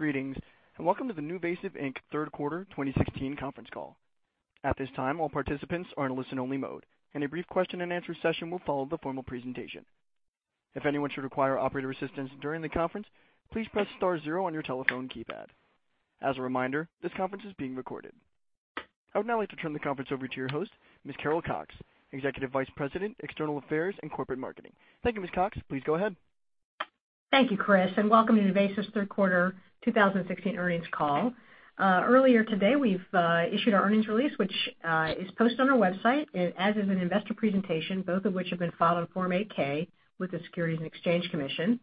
Greetings, and welcome to the NuVasive Third Quarter 2016 conference call. At this time, all participants are in listen-only mode, and a brief question-and-answer session will follow the formal presentation. If anyone should require operator assistance during the conference, please press star zero on your telephone keypad. As a reminder, this conference is being recorded. I would now like to turn the conference over to your host, Ms. Carol Cox, Executive Vice President, External Affairs and Corporate Marketing. Thank you, Ms. Cox. Please go ahead. Thank you, Chris, and welcome to NuVasive's third quarter 2016 earnings call. Earlier today, we've issued our earnings release, which is posted on our website, as is an investor presentation, both of which have been filed on Form 8K with the Securities and Exchange Commission.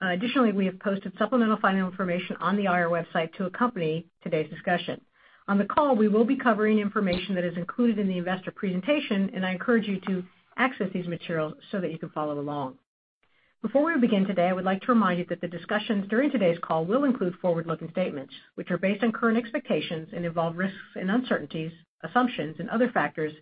Additionally, we have posted supplemental financial information on the IR website to accompany today's discussion. On the call, we will be covering information that is included in the investor presentation, and I encourage you to access these materials so that you can follow along. Before we begin today, I would like to remind you that the discussions during today's call will include forward-looking statements, which are based on current expectations and involve risks and uncertainties, assumptions, and other factors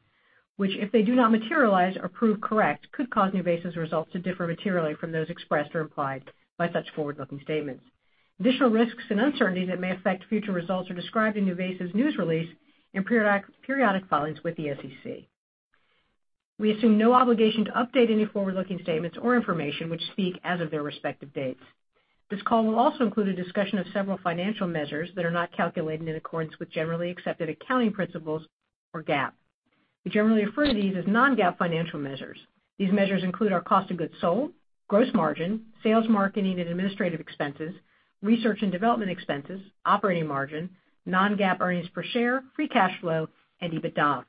which, if they do not materialize or prove correct, could cause NuVasive's results to differ materially from those expressed or implied by such forward-looking statements. Additional risks and uncertainties that may affect future results are described in NuVasive's news release and periodic filings with the SEC. We assume no obligation to update any forward-looking statements or information which speak as of their respective dates. This call will also include a discussion of several financial measures that are not calculated in accordance with generally accepted accounting principles or GAAP. We generally refer to these as non-GAAP financial measures. These measures include our cost of goods sold, gross margin, sales margin, and administrative expenses, research and development expenses, operating margin, non-GAAP earnings per share, free cash flow, and EBITDA.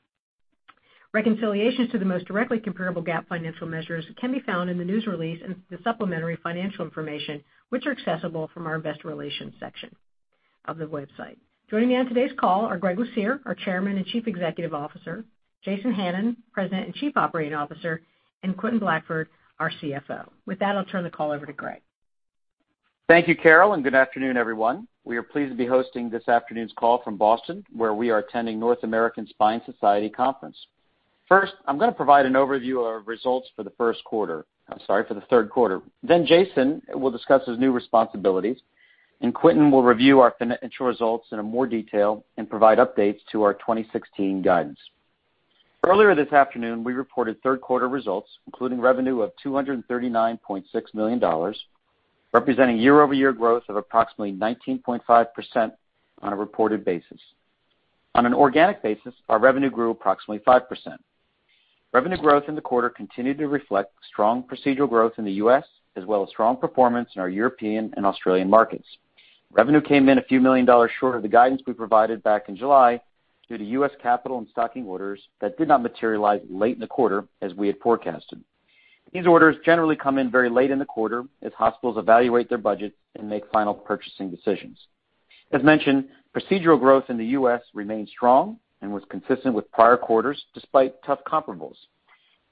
Reconciliations to the most directly comparable GAAP financial measures can be found in the news release and the supplementary financial information, which are accessible from our investor relations section of the website. Joining me on today's call are Gregory Lucier, our Chairman and Chief Executive Officer, Jason Hannon, President and Chief Operating Officer, and Quentin Blackford, our CFO. With that, I'll turn the call over to Greg. Thank you, Carol, and good afternoon, everyone. We are pleased to be hosting this afternoon's call from Boston, where we are attending North American Spine Society Conference. First, I'm going to provide an overview of our results for the first quarter, sorry, for the third quarter. Then Jason will discuss his new responsibilities, and Quentin will review our financial results in more detail and provide updates to our 2016 guidance. Earlier this afternoon, we reported third quarter results, including revenue of $239.6 million, representing year-over-year growth of approximately 19.5% on a reported basis. On an organic basis, our revenue grew approximately 5%. Revenue growth in the quarter continued to reflect strong procedural growth in the US, as well as strong performance in our European and Australian markets. Revenue came in a few million dollars short of the guidance we provided back in July due to U.S. capital and stocking orders that did not materialize late in the quarter, as we had forecasted. These orders generally come in very late in the quarter as hospitals evaluate their budgets and make final purchasing decisions. As mentioned, procedural growth in the U.S. remained strong and was consistent with prior quarters, despite tough comparables.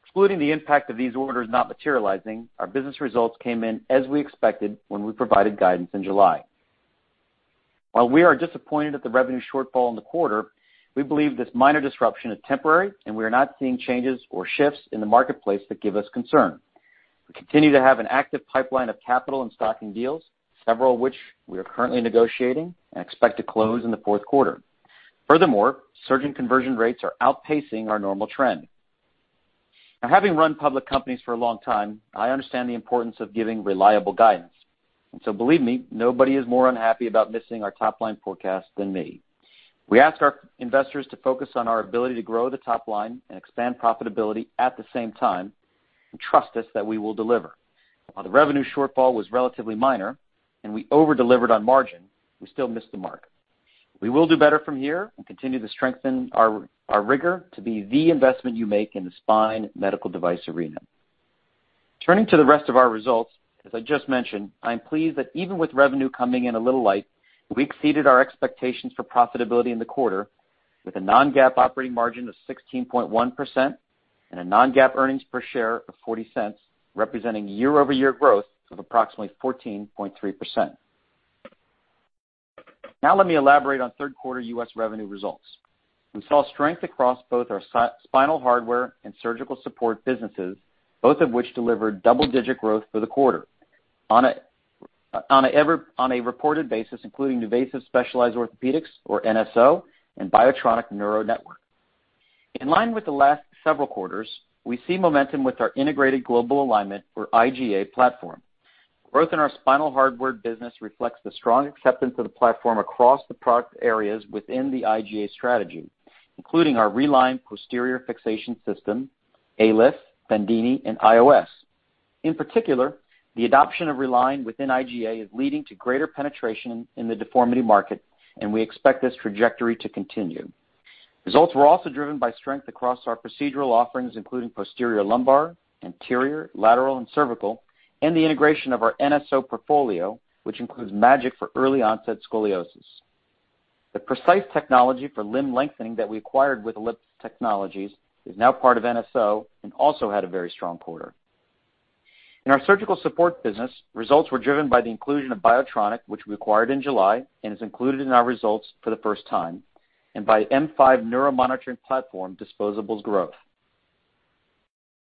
Excluding the impact of these orders not materializing, our business results came in as we expected when we provided guidance in July. While we are disappointed at the revenue shortfall in the quarter, we believe this minor disruption is temporary, and we are not seeing changes or shifts in the marketplace that give us concern. We continue to have an active pipeline of capital and stocking deals, several of which we are currently negotiating and expect to close in the fourth quarter. Furthermore, surge in conversion rates are outpacing our normal trend. Having run public companies for a long time, I understand the importance of giving reliable guidance. Believe me, nobody is more unhappy about missing our top-line forecast than me. We ask our investors to focus on our ability to grow the top line and expand profitability at the same time, and trust us that we will deliver. While the revenue shortfall was relatively minor and we over-delivered on margin, we still missed the mark. We will do better from here and continue to strengthen our rigor to be the investment you make in the spine medical device arena. Turning to the rest of our results, as I just mentioned, I'm pleased that even with revenue coming in a little light, we exceeded our expectations for profitability in the quarter, with a non-GAAP operating margin of 16.1% and a non-GAAP earnings per share of $0.40, representing year-over-year growth of approximately 14.3%. Now, let me elaborate on third quarter U.S. revenue results. We saw strength across both our spinal hardware and surgical support businesses, both of which delivered double-digit growth for the quarter, on a reported basis, including NuVasive Specialized Orthopedics, or NSO, and Biotronic Neuro Network. In line with the last several quarters, we see momentum with our integrated global alignment, or IGA, platform. Growth in our spinal hardware business reflects the strong acceptance of the platform across the product areas within the IGA strategy, including our RELINE posterior fixation system, ALIF, FENDINI, and IOS. In particular, the adoption of RELINE within IGA is leading to greater penetration in the deformity market, and we expect this trajectory to continue. Results were also driven by strength across our procedural offerings, including posterior lumbar, anterior, lateral, and cervical, and the integration of our NSO portfolio, which includes MAGIC for early-onset scoliosis. The Precise technology for limb lengthening that we acquired with ALIPS Technologies is now part of NSO and also had a very strong quarter. In our surgical support business, results were driven by the inclusion of Biotronic, which we acquired in July and is included in our results for the first time, and by M5 Neuro Monitoring Platform disposables growth.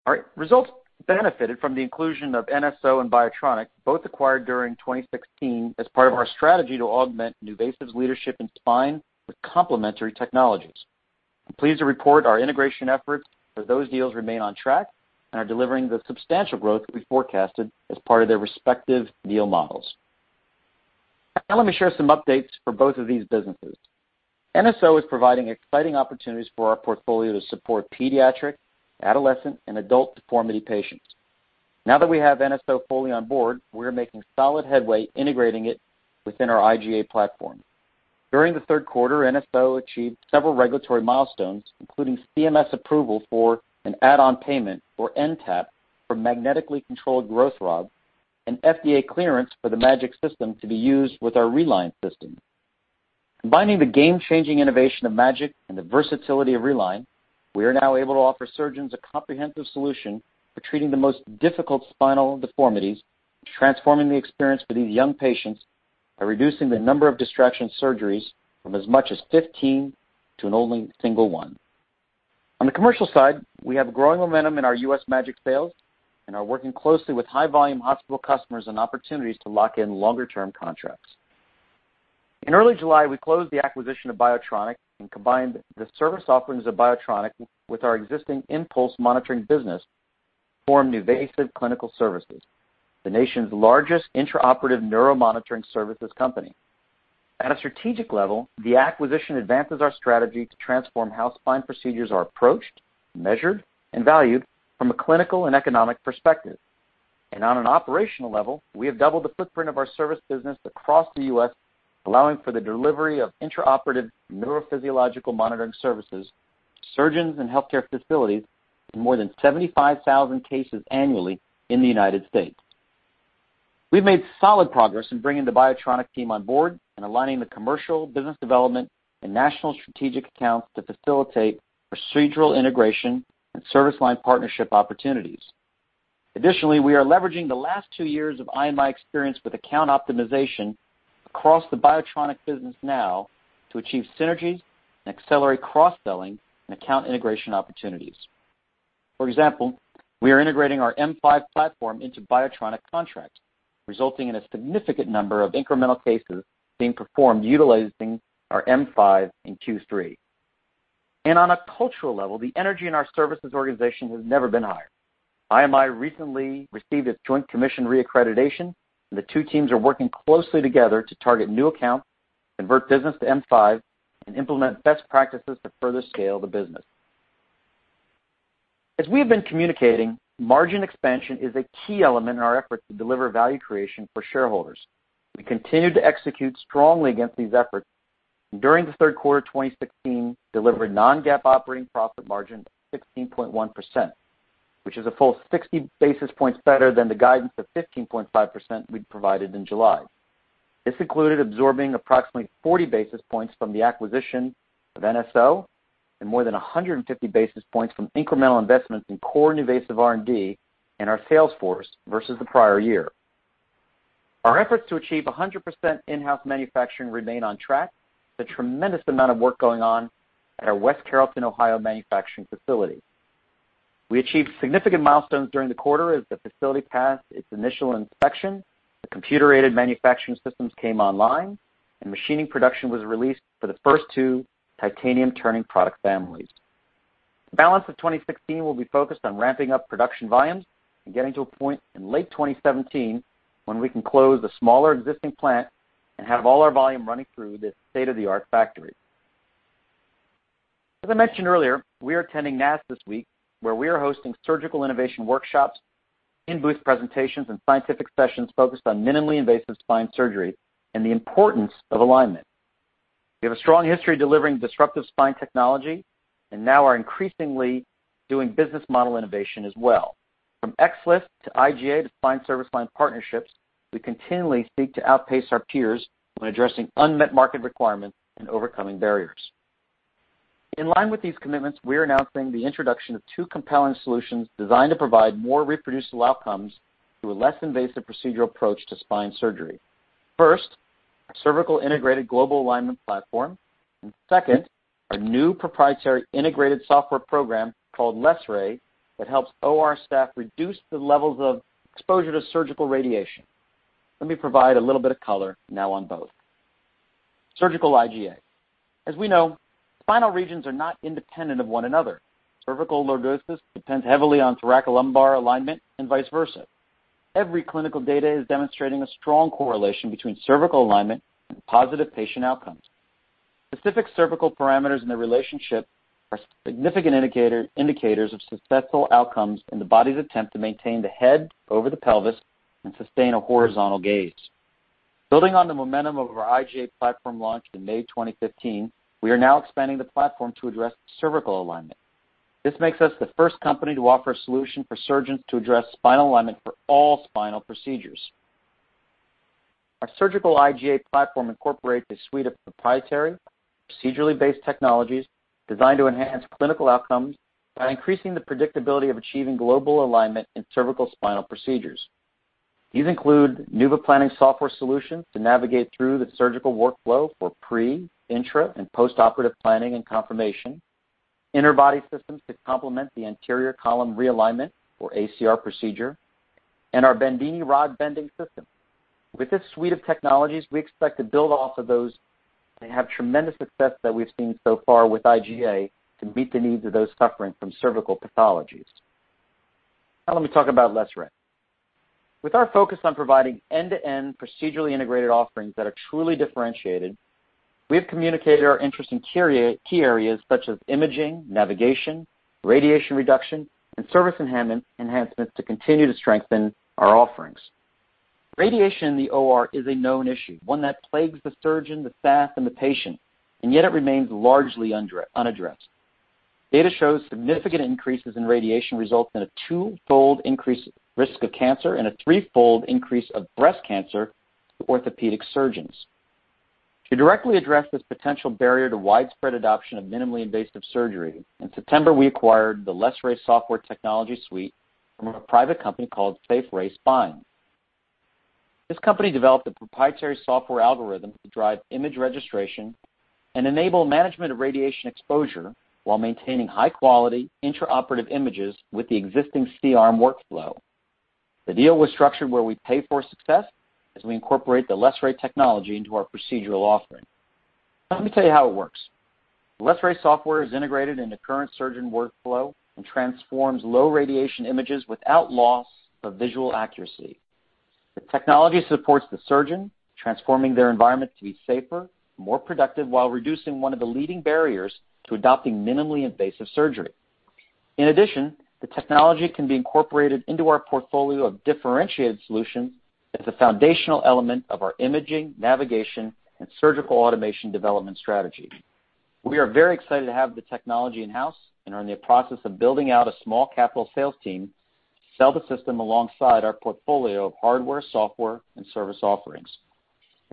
Our results benefited from the inclusion of NSO and Biotronic, both acquired during 2016, as part of our strategy to augment NuVasive's leadership in spine with complementary technologies. I'm pleased to report our integration efforts for those deals remain on track and are delivering the substantial growth we forecasted as part of their respective deal models. Now, let me share some updates for both of these businesses. NSO is providing exciting opportunities for our portfolio to support pediatric, adolescent, and adult deformity patients. Now that we have NSO fully on board, we're making solid headway integrating it within our IGA platform. During the third quarter, NSO achieved several regulatory milestones, including CMS approval for an add-on payment, or NTAP, for magnetically controlled growth rods and FDA clearance for the MAGIC system to be used with our RELINE system. Combining the game-changing innovation of MAGIC and the versatility of RELINE, we are now able to offer surgeons a comprehensive solution for treating the most difficult spinal deformities, transforming the experience for these young patients by reducing the number of distraction surgeries from as much as 15 to only a single one. On the commercial side, we have growing momentum in our US MAGIC sales, and are working closely with high-volume hospital customers on opportunities to lock in longer-term contracts. In early July, we closed the acquisition of Biotronic and combined the service offerings of Biotronic with our existing impulse monitoring business to form NuVasive Clinical Services, the nation's largest intraoperative neuro monitoring services company. At a strategic level, the acquisition advances our strategy to transform how spine procedures are approached, measured, and valued from a clinical and economic perspective. On an operational level, we have doubled the footprint of our service business across the U.S., allowing for the delivery of intraoperative neurophysiological monitoring services to surgeons and healthcare facilities in more than 75,000 cases annually in the United States. We've made solid progress in bringing the Biotronic team on board and aligning the commercial, business development, and national strategic accounts to facilitate procedural integration and service line partnership opportunities. Additionally, we are leveraging the last two years of IMI experience with account optimization across the Biotronic business now to achieve synergies and accelerate cross-selling and account integration opportunities. For example, we are integrating our M5 platform into Biotronic contracts, resulting in a significant number of incremental cases being performed utilizing our M5 and Q3. On a cultural level, the energy in our services organization has never been higher. IMI recently received its Joint Commission re-accreditation, and the two teams are working closely together to target new accounts, convert business to M5, and implement best practices to further scale the business. As we have been communicating, margin expansion is a key element in our efforts to deliver value creation for shareholders. We continue to execute strongly against these efforts. During the third quarter of 2016, we delivered non-GAAP operating profit margin of 16.1%, which is a full 60 basis points better than the guidance of 15.5% we provided in July. This included absorbing approximately 40 basis points from the acquisition of NSO and more than 150 basis points from incremental investments in core NuVasive R&D and our sales force versus the prior year. Our efforts to achieve 100% in-house manufacturing remain on track. It's a tremendous amount of work going on at our West Carrollton, Ohio, manufacturing facility. We achieved significant milestones during the quarter as the facility passed its initial inspection, the computer-aided manufacturing systems came online, and machining production was released for the first two titanium turning product families. The balance of 2016 will be focused on ramping up production volumes and getting to a point in late 2017 when we can close the smaller existing plant and have all our volume running through this state-of-the-art factory. As I mentioned earlier, we are attending NAS this week, where we are hosting surgical innovation workshops, in-booth presentations, and scientific sessions focused on minimally invasive spine surgery and the importance of alignment. We have a strong history delivering disruptive spine technology and now are increasingly doing business model innovation as well. From XLIF to IGA to spine service line partnerships, we continually seek to outpace our peers when addressing unmet market requirements and overcoming barriers. In line with these commitments, we are announcing the introduction of two compelling solutions designed to provide more reproducible outcomes through a less invasive procedural approach to spine surgery. First, our cervical integrated global alignment platform. Second, our new proprietary integrated software program called LESRAY that helps OR staff reduce the levels of exposure to surgical radiation. Let me provide a little bit of color now on both. Surgical IGA. As we know, spinal regions are not independent of one another. Cervical lordosis depends heavily on thoracolumbar alignment and vice versa. Every clinical data is demonstrating a strong correlation between cervical alignment and positive patient outcomes. Specific cervical parameters in the relationship are significant indicators of successful outcomes in the body's attempt to maintain the head over the pelvis and sustain a horizontal gaze. Building on the momentum of our IGA platform launched in May 2015, we are now expanding the platform to address cervical alignment. This makes us the first company to offer a solution for surgeons to address spinal alignment for all spinal procedures. Our surgical IGA platform incorporates a suite of proprietary, procedurally based technologies designed to enhance clinical outcomes by increasing the predictability of achieving global alignment in cervical spinal procedures. These include NuvaPlanning software solutions to navigate through the surgical workflow for pre, intra, and post-operative planning and confirmation, interbody systems to complement the anterior column realignment, or ACR procedure, and our BENDINI rod bending system. With this suite of technologies, we expect to build off of those and have tremendous success that we've seen so far with IGA to meet the needs of those suffering from cervical pathologies. Now, let me talk about LESRAY. With our focus on providing end-to-end procedurally integrated offerings that are truly differentiated, we have communicated our interest in key areas such as imaging, navigation, radiation reduction, and service enhancements to continue to strengthen our offerings. Radiation in the OR is a known issue, one that plagues the surgeon, the staff, and the patient, and yet it remains largely unaddressed. Data shows significant increases in radiation results in a twofold increased risk of cancer and a threefold increase of breast cancer to orthopedic surgeons. To directly address this potential barrier to widespread adoption of minimally invasive surgery, in September, we acquired the LESRAY software technology suite from a private company called SafeRay Spine. This company developed a proprietary software algorithm to drive image registration and enable management of radiation exposure while maintaining high-quality intraoperative images with the existing C-arm workflow. The deal was structured where we pay for success as we incorporate the LESRAY technology into our procedural offering. Let me tell you how it works. LESRAY software is integrated into current surgeon workflow and transforms low radiation images without loss of visual accuracy. The technology supports the surgeon, transforming their environment to be safer, more productive, while reducing one of the leading barriers to adopting minimally invasive surgery. In addition, the technology can be incorporated into our portfolio of differentiated solutions as a foundational element of our imaging, navigation, and surgical automation development strategy. We are very excited to have the technology in-house and are in the process of building out a small capital sales team to sell the system alongside our portfolio of hardware, software, and service offerings.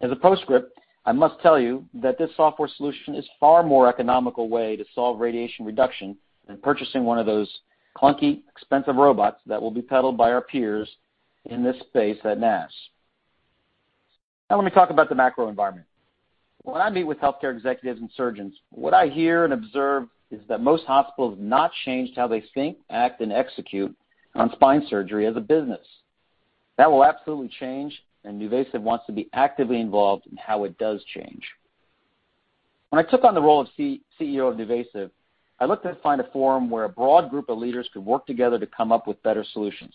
As a postscript, I must tell you that this software solution is a far more economical way to solve radiation reduction than purchasing one of those clunky, expensive robots that will be peddled by our peers in this space at NASS. Now, let me talk about the macro environment. When I meet with healthcare executives and surgeons, what I hear and observe is that most hospitals have not changed how they think, act, and execute on spine surgery as a business. That will absolutely change, and NuVasive wants to be actively involved in how it does change. When I took on the role of CEO of NuVasive, I looked to find a forum where a broad group of leaders could work together to come up with better solutions.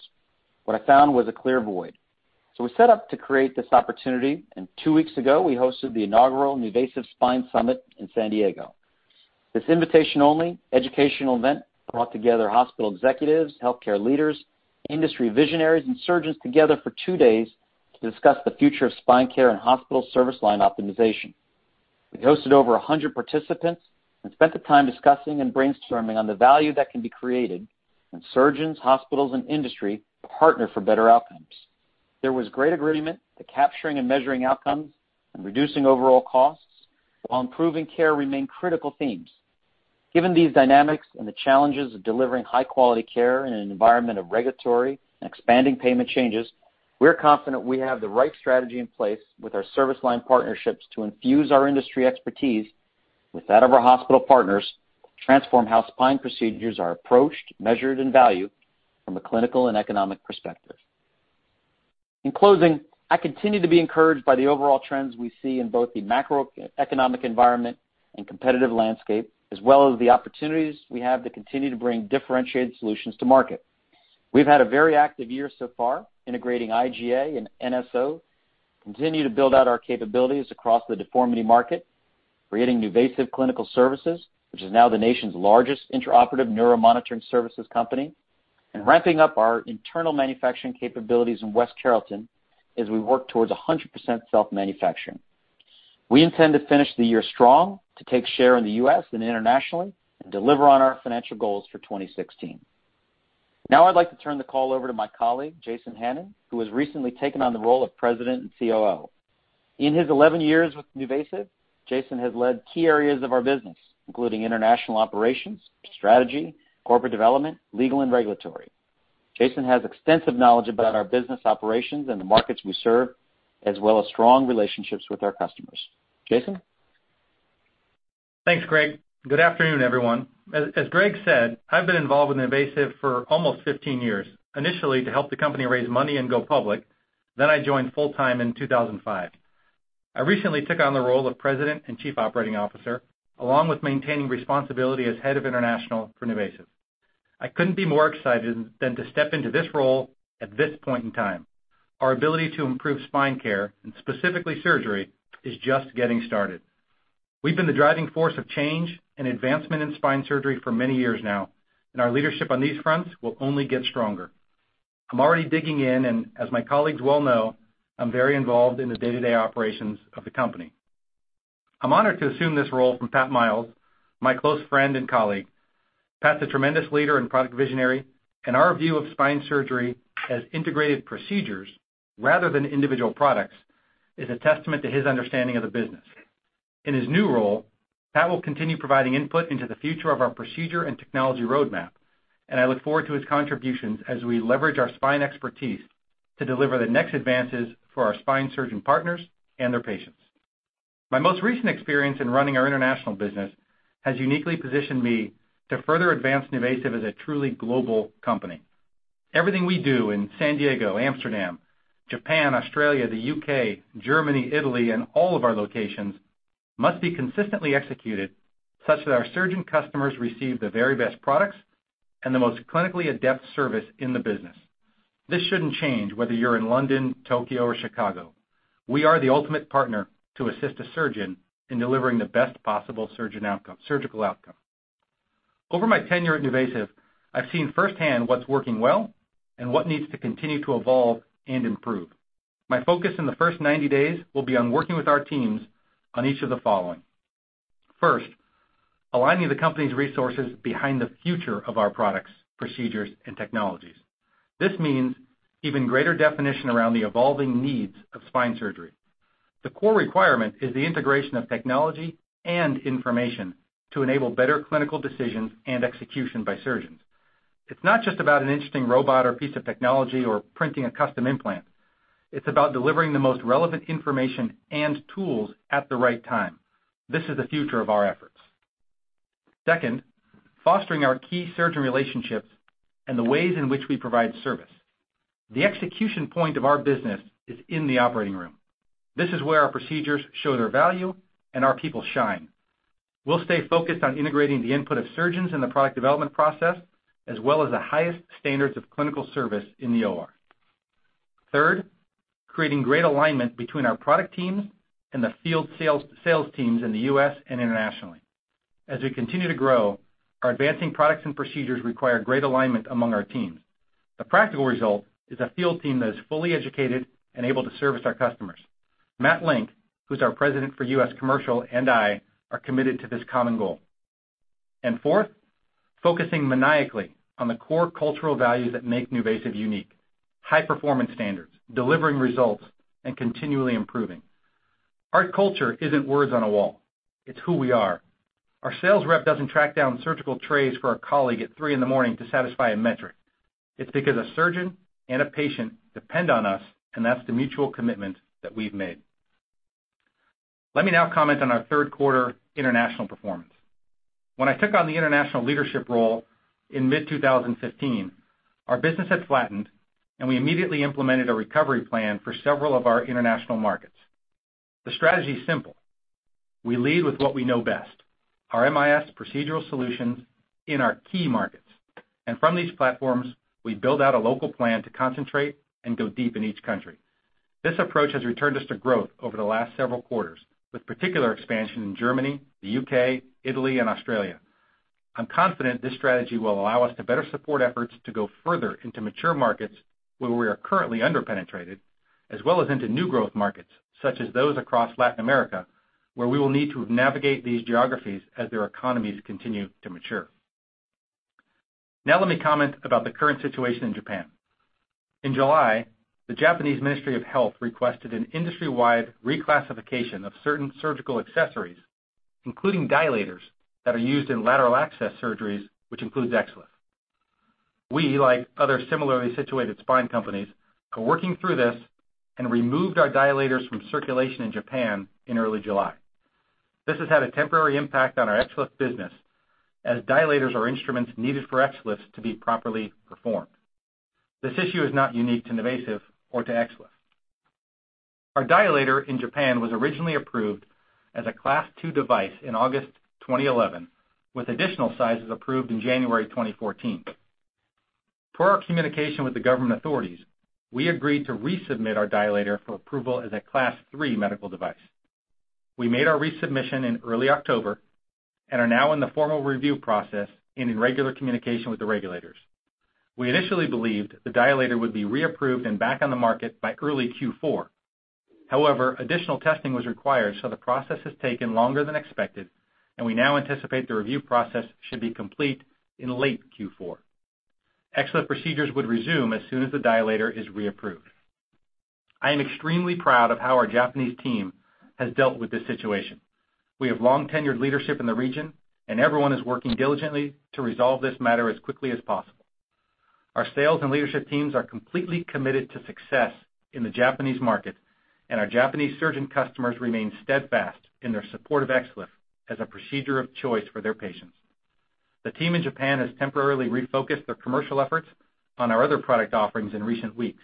What I found was a clear void. We set up to create this opportunity, and two weeks ago, we hosted the inaugural NuVasive Spine Summit in San Diego. This invitation-only educational event brought together hospital executives, healthcare leaders, industry visionaries, and surgeons together for two days to discuss the future of spine care and hospital service line optimization. We hosted over 100 participants and spent the time discussing and brainstorming on the value that can be created when surgeons, hospitals, and industry partner for better outcomes. There was great agreement that capturing and measuring outcomes and reducing overall costs while improving care remain critical themes. Given these dynamics and the challenges of delivering high-quality care in an environment of regulatory and expanding payment changes, we're confident we have the right strategy in place with our service line partnerships to infuse our industry expertise with that of our hospital partners to transform how spine procedures are approached, measured, and valued from a clinical and economic perspective. In closing, I continue to be encouraged by the overall trends we see in both the macroeconomic environment and competitive landscape, as well as the opportunities we have to continue to bring differentiated solutions to market. We've had a very active year so far, integrating IGA and NSO, continuing to build out our capabilities across the deformity market, creating NuVasive Clinical Services, which is now the nation's largest intraoperative neuromonitoring services company, and ramping up our internal manufacturing capabilities in West Carrollton as we work towards 100% self-manufacturing. We intend to finish the year strong to take share in the U.S. and internationally and deliver on our financial goals for 2016. Now, I'd like to turn the call over to my colleague, Jason Hannon, who has recently taken on the role of President and COO. In his 11 years with NuVasive, Jason has led key areas of our business, including international operations, strategy, corporate development, legal, and regulatory. Jason has extensive knowledge about our business operations and the markets we serve, as well as strong relationships with our customers. Jason? Thanks, Greg. Good afternoon, everyone. As Greg said, I've been involved with NuVasive for almost 15 years, initially to help the company raise money and go public, then I joined full-time in 2005. I recently took on the role of President and Chief Operating Officer, along with maintaining responsibility as head of international for NuVasive. I couldn't be more excited than to step into this role at this point in time. Our ability to improve spine care, and specifically surgery, is just getting started. We've been the driving force of change and advancement in spine surgery for many years now, and our leadership on these fronts will only get stronger. I'm already digging in, and as my colleagues well know, I'm very involved in the day-to-day operations of the company. I'm honored to assume this role from Pat Miles, my close friend and colleague. Pat's a tremendous leader and product visionary, and our view of spine surgery as integrated procedures rather than individual products is a testament to his understanding of the business. In his new role, Pat will continue providing input into the future of our procedure and technology roadmap, and I look forward to his contributions as we leverage our spine expertise to deliver the next advances for our spine surgeon partners and their patients. My most recent experience in running our international business has uniquely positioned me to further advance NuVasive as a truly global company. Everything we do in San Diego, Amsterdam, Japan, Australia, the U.K., Germany, Italy, and all of our locations must be consistently executed such that our surgeon customers receive the very best products and the most clinically adept service in the business. This shouldn't change whether you're in London, Tokyo, or Chicago. We are the ultimate partner to assist a surgeon in delivering the best possible surgical outcome. Over my tenure at NuVasive, I've seen firsthand what's working well and what needs to continue to evolve and improve. My focus in the first 90 days will be on working with our teams on each of the following. First, aligning the company's resources behind the future of our products, procedures, and technologies. This means even greater definition around the evolving needs of spine surgery. The core requirement is the integration of technology and information to enable better clinical decisions and execution by surgeons. It's not just about an interesting robot or piece of technology or printing a custom implant. It's about delivering the most relevant information and tools at the right time. This is the future of our efforts. Second, fostering our key surgeon relationships and the ways in which we provide service. The execution point of our business is in the operating room. This is where our procedures show their value and our people shine. We'll stay focused on integrating the input of surgeons in the product development process as well as the highest standards of clinical service in the OR. Third, creating great alignment between our product teams and the field sales teams in the U.S. and internationally. As we continue to grow, our advancing products and procedures require great alignment among our teams. The practical result is a field team that is fully educated and able to service our customers. Matt Link, who's our President for U.S. Commercial, and I are committed to this common goal. Fourth, focusing maniacally on the core cultural values that make NuVasive unique: high-performance standards, delivering results, and continually improving. Our culture isn't words on a wall. It's who we are. Our sales rep doesn't track down surgical trays for our colleague at 3:00 A.M. to satisfy a metric. It's because a surgeon and a patient depend on us, and that's the mutual commitment that we've made. Let me now comment on our third-quarter international performance. When I took on the international leadership role in mid-2015, our business had flattened, and we immediately implemented a recovery plan for several of our international markets. The strategy is simple. We lead with what we know best: our MIS procedural solutions in our key markets. From these platforms, we build out a local plan to concentrate and go deep in each country. This approach has returned us to growth over the last several quarters, with particular expansion in Germany, the U.K., Italy, and Australia. I'm confident this strategy will allow us to better support efforts to go further into mature markets where we are currently underpenetrated, as well as into new growth markets such as those across Latin America, where we will need to navigate these geographies as their economies continue to mature. Now, let me comment about the current situation in Japan. In July, the Japanese Ministry of Health requested an industry-wide reclassification of certain surgical accessories, including dilators that are used in lateral access surgeries, which includes XLIF. We, like other similarly situated spine companies, are working through this and removed our dilators from circulation in Japan in early July. This has had a temporary impact on our XLIF business, as dilators are instruments needed for XLIFs to be properly performed. This issue is not unique to NuVasive or to XLIF. Our dilator in Japan was originally approved as a Class 2 device in August 2011, with additional sizes approved in January 2014. Per our communication with the government authorities, we agreed to resubmit our dilator for approval as a Class 3 medical device. We made our resubmission in early October and are now in the formal review process and in regular communication with the regulators. We initially believed the dilator would be reapproved and back on the market by early Q4. However, additional testing was required, so the process has taken longer than expected, and we now anticipate the review process should be complete in late Q4. XLIF procedures would resume as soon as the dilator is reapproved. I am extremely proud of how our Japanese team has dealt with this situation. We have long-tenured leadership in the region, and everyone is working diligently to resolve this matter as quickly as possible. Our sales and leadership teams are completely committed to success in the Japanese market, and our Japanese surgeon customers remain steadfast in their support of XLIF as a procedure of choice for their patients. The team in Japan has temporarily refocused their commercial efforts on our other product offerings in recent weeks,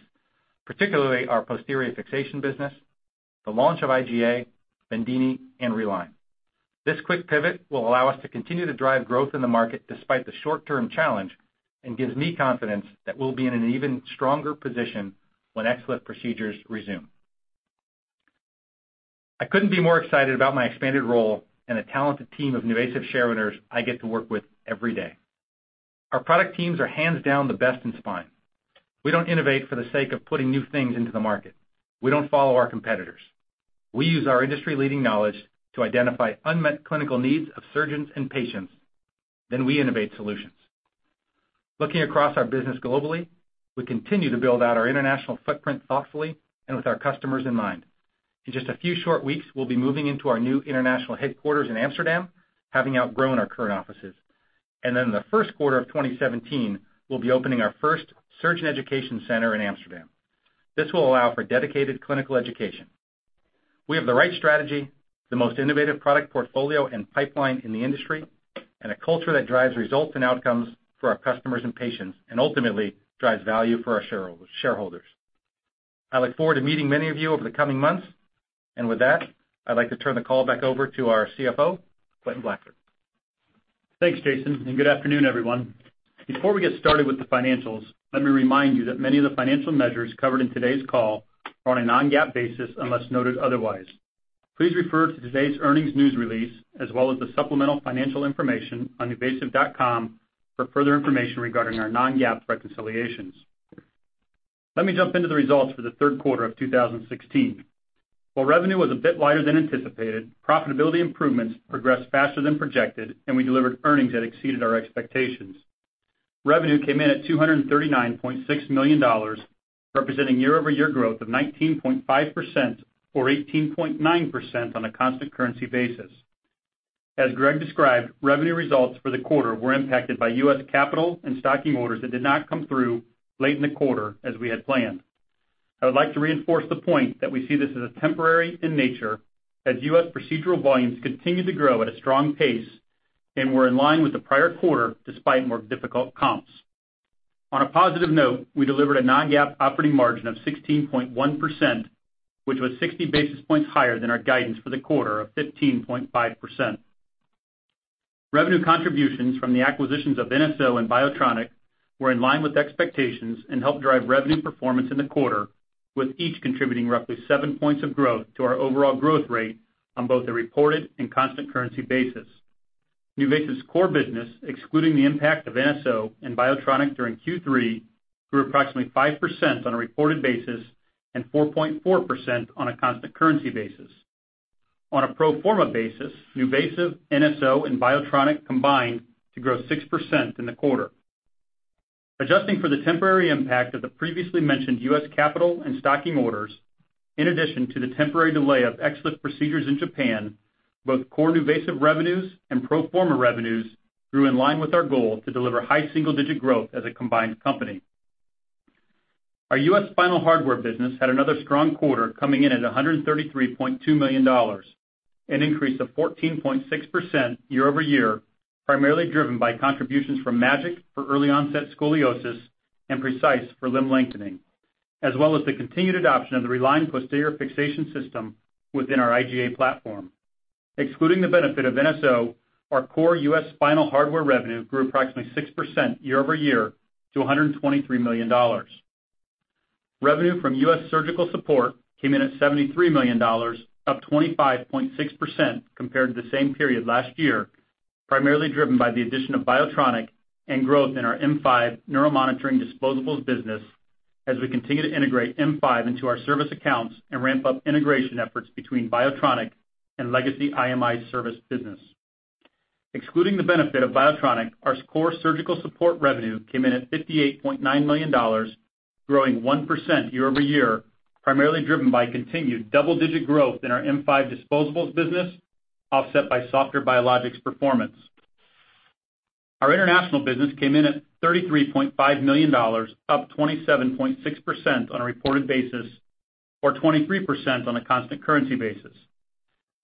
particularly our posterior fixation business, the launch of IGA, BENDINI, and RELINE. This quick pivot will allow us to continue to drive growth in the market despite the short-term challenge and gives me confidence that we'll be in an even stronger position when XLIF procedures resume. I couldn't be more excited about my expanded role and the talented team of NuVasive shareholders I get to work with every day. Our product teams are hands down the best in spine. We don't innovate for the sake of putting new things into the market. We don't follow our competitors. We use our industry-leading knowledge to identify unmet clinical needs of surgeons and patients, then we innovate solutions. Looking across our business globally, we continue to build out our international footprint thoughtfully and with our customers in mind. In just a few short weeks, we'll be moving into our new international headquarters in Amsterdam, having outgrown our current offices. In the first quarter of 2017, we'll be opening our first surgeon education center in Amsterdam. This will allow for dedicated clinical education. We have the right strategy, the most innovative product portfolio and pipeline in the industry, and a culture that drives results and outcomes for our customers and patients, and ultimately drives value for our shareholders. I look forward to meeting many of you over the coming months. With that, I'd like to turn the call back over to our CFO, Quentin Blackford. Thanks, Jason, and good afternoon, everyone. Before we get started with the financials, let me remind you that many of the financial measures covered in today's call are on a non-GAAP basis unless noted otherwise. Please refer to today's earnings news release, as well as the supplemental financial information on nuvasive.com for further information regarding our non-GAAP reconciliations. Let me jump into the results for the third quarter of 2016. While revenue was a bit lighter than anticipated, profitability improvements progressed faster than projected, and we delivered earnings that exceeded our expectations. Revenue came in at $239.6 million, representing year-over-year growth of 19.5% or 18.9% on a constant currency basis. As Greg described, revenue results for the quarter were impacted by U.S. capital and stocking orders that did not come through late in the quarter as we had planned. I would like to reinforce the point that we see this as temporary in nature, as U.S. procedural volumes continued to grow at a strong pace and were in line with the prior quarter despite more difficult comps. On a positive note, we delivered a non-GAAP operating margin of 16.1%, which was 60 basis points higher than our guidance for the quarter of 15.5%. Revenue contributions from the acquisitions of NSO and Biotronic were in line with expectations and helped drive revenue performance in the quarter, with each contributing roughly 7 points of growth to our overall growth rate on both a reported and constant currency basis. NuVasive's core business, excluding the impact of NSO and Biotronic during Q3, grew approximately 5% on a reported basis and 4.4% on a constant currency basis. On a pro forma basis, NuVasive, NSO, and Biotronic combined to grow 6% in the quarter. Adjusting for the temporary impact of the previously mentioned U.S. capital and stocking orders, in addition to the temporary delay of XLIF procedures in Japan, both core NuVasive revenues and pro forma revenues grew in line with our goal to deliver high single-digit growth as a combined company. Our U.S. spinal hardware business had another strong quarter coming in at $133.2 million, an increase of 14.6% year-over-year, primarily driven by contributions from MAGIC for early-onset scoliosis and Precise for limb lengthening, as well as the continued adoption of the RELINE posterior fixation system within our IGA platform. Excluding the benefit of NSO, our core U.S. spinal hardware revenue grew approximately 6% year-over-year to $123 million. Revenue from U.S. surgical support came in at $73 million, up 25.6% compared to the same period last year, primarily driven by the addition of Biotronic and growth in our M5 neuromonitoring disposables business as we continue to integrate M5 into our service accounts and ramp up integration efforts between Biotronic and legacy IMI service business. Excluding the benefit of Biotronic, our core surgical support revenue came in at $58.9 million, growing 1% year-over-year, primarily driven by continued double-digit growth in our M5 disposables business offset by SoftR Biologics' performance. Our international business came in at $33.5 million, up 27.6% on a reported basis or 23% on a constant currency basis.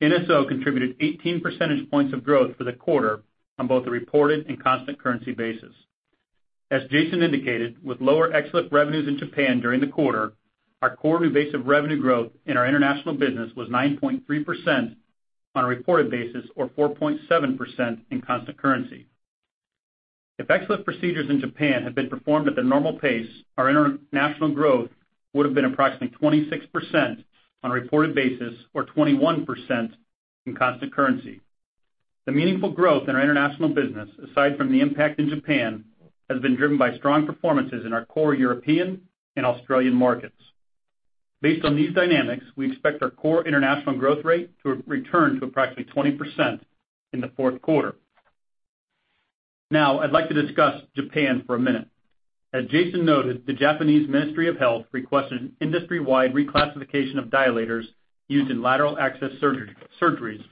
NSO contributed 18 percentage points of growth for the quarter on both a reported and constant currency basis. As Jason indicated, with lower XLIF revenues in Japan during the quarter, our core NuVasive revenue growth in our international business was 9.3% on a reported basis or 4.7% in constant currency. If XLIF procedures in Japan had been performed at their normal pace, our international growth would have been approximately 26% on a reported basis or 21% in constant currency. The meaningful growth in our international business, aside from the impact in Japan, has been driven by strong performances in our core European and Australian markets. Based on these dynamics, we expect our core international growth rate to return to approximately 20% in the fourth quarter. Now, I'd like to discuss Japan for a minute. As Jason noted, the Japanese Ministry of Health requested an industry-wide reclassification of dilators used in lateral access surgeries,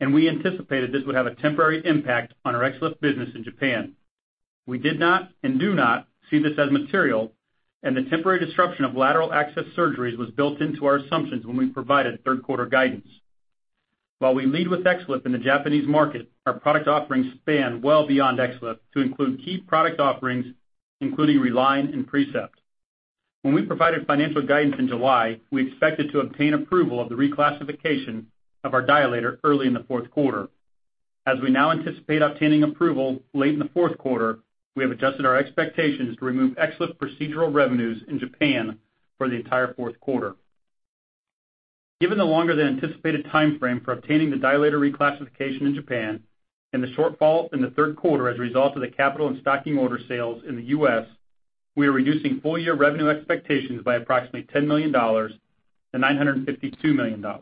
and we anticipated this would have a temporary impact on our XLIF business in Japan. We did not and do not see this as material, and the temporary disruption of lateral access surgeries was built into our assumptions when we provided third-quarter guidance. While we lead with XLIF in the Japanese market, our product offerings span well beyond XLIF to include key product offerings, including Reline and Precept. When we provided financial guidance in July, we expected to obtain approval of the reclassification of our dilator early in the fourth quarter. As we now anticipate obtaining approval late in the fourth quarter, we have adjusted our expectations to remove XLIF procedural revenues in Japan for the entire fourth quarter. Given the longer-than-anticipated timeframe for obtaining the dilator reclassification in Japan and the shortfall in the third quarter as a result of the capital and stocking order sales in the U.S., we are reducing full-year revenue expectations by approximately $10 million-$952 million. As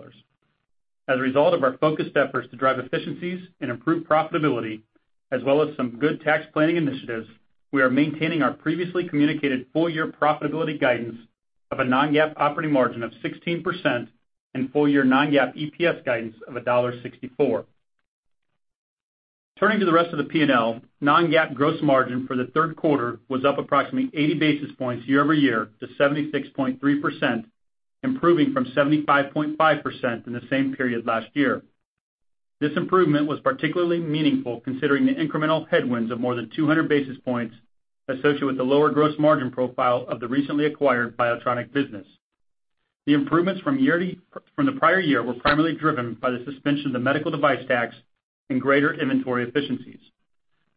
a result of our focused efforts to drive efficiencies and improve profitability, as well as some good tax planning initiatives, we are maintaining our previously communicated full-year profitability guidance of a non-GAAP operating margin of 16% and full-year non-GAAP EPS guidance of $1.64. Turning to the rest of the P&L, non-GAAP gross margin for the third quarter was up approximately 80 basis points year-over-year to 76.3%, improving from 75.5% in the same period last year. This improvement was particularly meaningful considering the incremental headwinds of more than 200 basis points associated with the lower gross margin profile of the recently acquired Biotronic business. The improvements from the prior year were primarily driven by the suspension of the medical device tax and greater inventory efficiencies.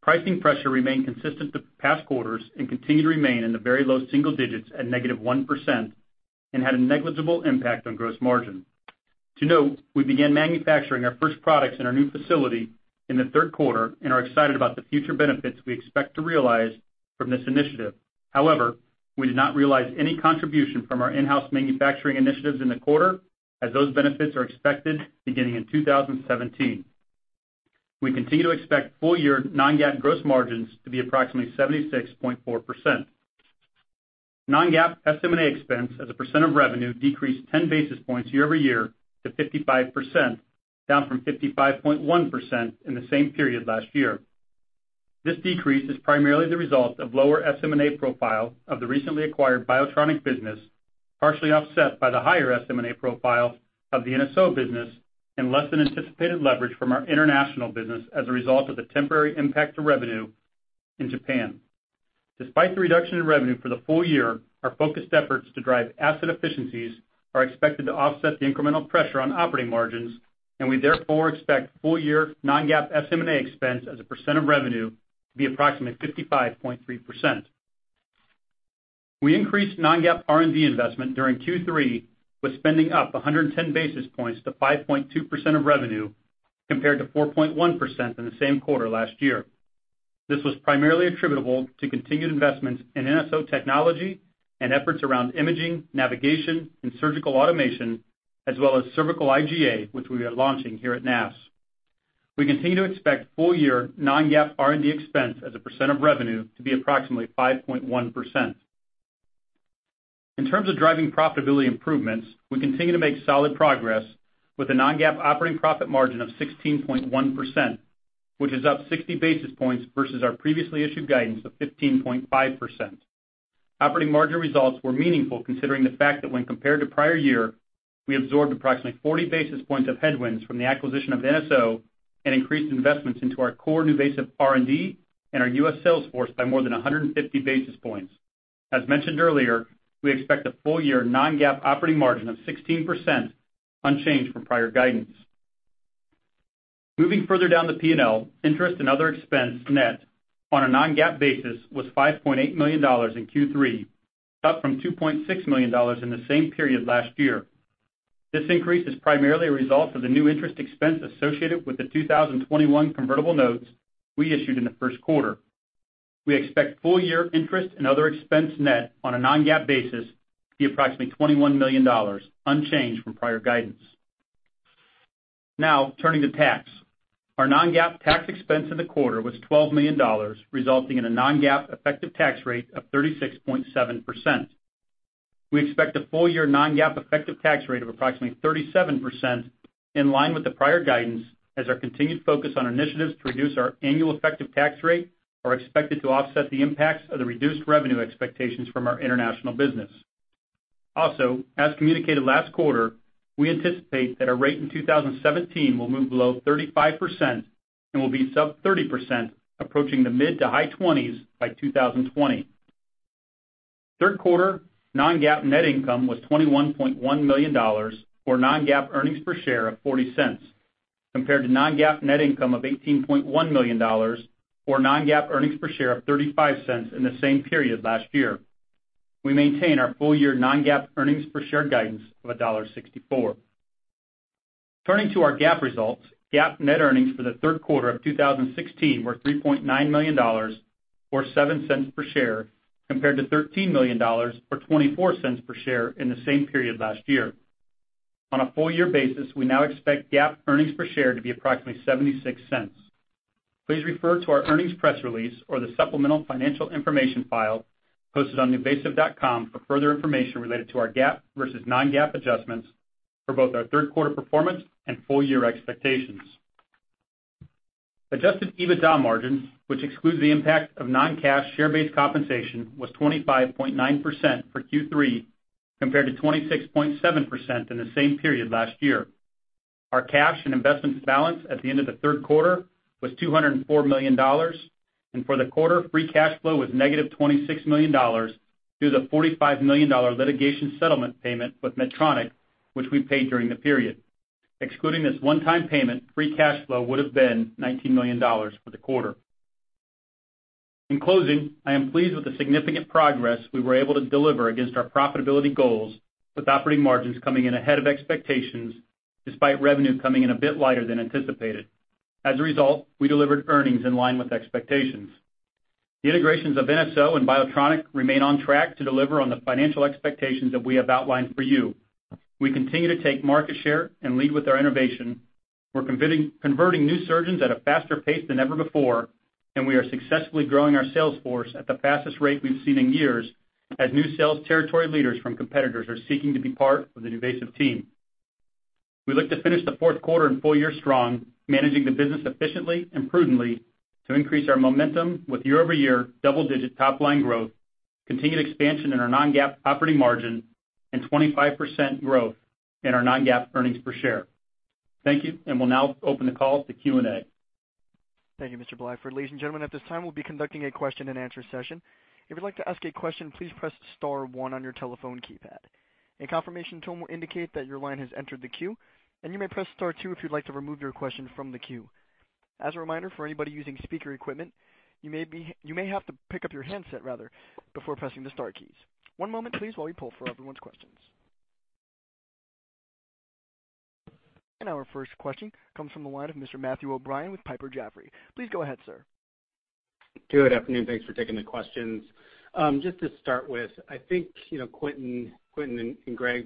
Pricing pressure remained consistent the past quarters and continued to remain in the very low single digits at -1% and had a negligible impact on gross margin. To note, we began manufacturing our first products in our new facility in the third quarter and are excited about the future benefits we expect to realize from this initiative. However, we did not realize any contribution from our in-house manufacturing initiatives in the quarter, as those benefits are expected beginning in 2017. We continue to expect full-year non-GAAP gross margins to be approximately 76.4%. Non-GAAP estimated expense as a percent of revenue decreased 10 basis points year-over-year to 55%, down from 55.1% in the same period last year. This decrease is primarily the result of lower SM&A profile of the recently acquired Biotronic business, partially offset by the higher SM&A profile of the NSO business and less than anticipated leverage from our international business as a result of the temporary impact to revenue in Japan. Despite the reduction in revenue for the full year, our focused efforts to drive asset efficiencies are expected to offset the incremental pressure on operating margins, and we therefore expect full-year non-GAAP SM&A expense as a percent of revenue to be approximately 55.3%. We increased non-GAAP R&D investment during Q3, with spending up 110 basis points to 5.2% of revenue compared to 4.1% in the same quarter last year. This was primarily attributable to continued investments in NSO technology and efforts around imaging, navigation, and surgical automation, as well as cervical IGA, which we are launching here at NASS. We continue to expect full-year non-GAAP R&D expense as a percent of revenue to be approximately 5.1%. In terms of driving profitability improvements, we continue to make solid progress with a non-GAAP operating profit margin of 16.1%, which is up 60 basis points versus our previously issued guidance of 15.5%. Operating margin results were meaningful considering the fact that when compared to prior year, we absorbed approximately 40 basis points of headwinds from the acquisition of NSO and increased investments into our core NuVasive R&D and our U.S. Salesforce by more than 150 basis points. As mentioned earlier, we expect a full-year non-GAAP operating margin of 16%, unchanged from prior guidance. Moving further down the P&L, interest and other expense net on a non-GAAP basis was $5.8 million in Q3, up from $2.6 million in the same period last year. This increase is primarily a result of the new interest expense associated with the 2021 convertible notes we issued in the first quarter. We expect full-year interest and other expense net on a non-GAAP basis to be approximately $21 million, unchanged from prior guidance. Now, turning to tax. Our non-GAAP tax expense in the quarter was $12 million, resulting in a non-GAAP effective tax rate of 36.7%. We expect a full-year non-GAAP effective tax rate of approximately 37%, in line with the prior guidance, as our continued focus on initiatives to reduce our annual effective tax rate are expected to offset the impacts of the reduced revenue expectations from our international business. Also, as communicated last quarter, we anticipate that our rate in 2017 will move below 35% and will be sub-30%, approaching the mid to high 20s by 2020. Third quarter non-GAAP net income was $21.1 million, or non-GAAP earnings per share of $0.40, compared to non-GAAP net income of $18.1 million, or non-GAAP earnings per share of $0.35 in the same period last year. We maintain our full-year non-GAAP earnings per share guidance of $1.64. Turning to our GAAP results, GAAP net earnings for the third quarter of 2016 were $3.9 million, or $0.07 per share, compared to $13 million, or $0.24 per share in the same period last year. On a full-year basis, we now expect GAAP earnings per share to be approximately $0.76. Please refer to our earnings press release or the supplemental financial information file posted on nuVasive.com for further information related to our GAAP versus non-GAAP adjustments for both our third-quarter performance and full-year expectations. Adjusted EBITDA margins, which excludes the impact of non-cash share-based compensation, was 25.9% for Q3, compared to 26.7% in the same period last year. Our cash and investment balance at the end of the third quarter was $204 million, and for the quarter, free cash flow was -$26 million due to the $45 million litigation settlement payment with Medtronic, which we paid during the period. Excluding this one-time payment, free cash flow would have been $19 million for the quarter. In closing, I am pleased with the significant progress we were able to deliver against our profitability goals, with operating margins coming in ahead of expectations despite revenue coming in a bit lighter than anticipated. As a result, we delivered earnings in line with expectations. The integrations of NSO and Biotronic remain on track to deliver on the financial expectations that we have outlined for you. We continue to take market share and lead with our innovation. We're converting new surgeons at a faster pace than ever before, and we are successfully growing our sales force at the fastest rate we've seen in years as new sales territory leaders from competitors are seeking to be part of the NuVasive team. We look to finish the fourth quarter and full year strong, managing the business efficiently and prudently to increase our momentum with year-over-year double-digit top-line growth, continued expansion in our non-GAAP operating margin, and 25% growth in our non-GAAP earnings per share. Thank you, and we'll now open the call to Q&A. Thank you, Mr. Blackford. Ladies and gentlemen, at this time, we'll be conducting a question-and-answer session. If you'd like to ask a question, please press star one on your telephone keypad. A confirmation tone will indicate that your line has entered the queue, and you may press star two if you'd like to remove your question from the queue. As a reminder, for anybody using speaker equipment, you may have to pick up your handset, rather, before pressing the Star keys. One moment, please, while we pull for everyone's questions. Our first question comes from the line of Mr. Matthew O'Brien with Piper Jaffray. Please go ahead, sir. Good afternoon. Thanks for taking the questions. Just to start with, I think Quentin and Greg,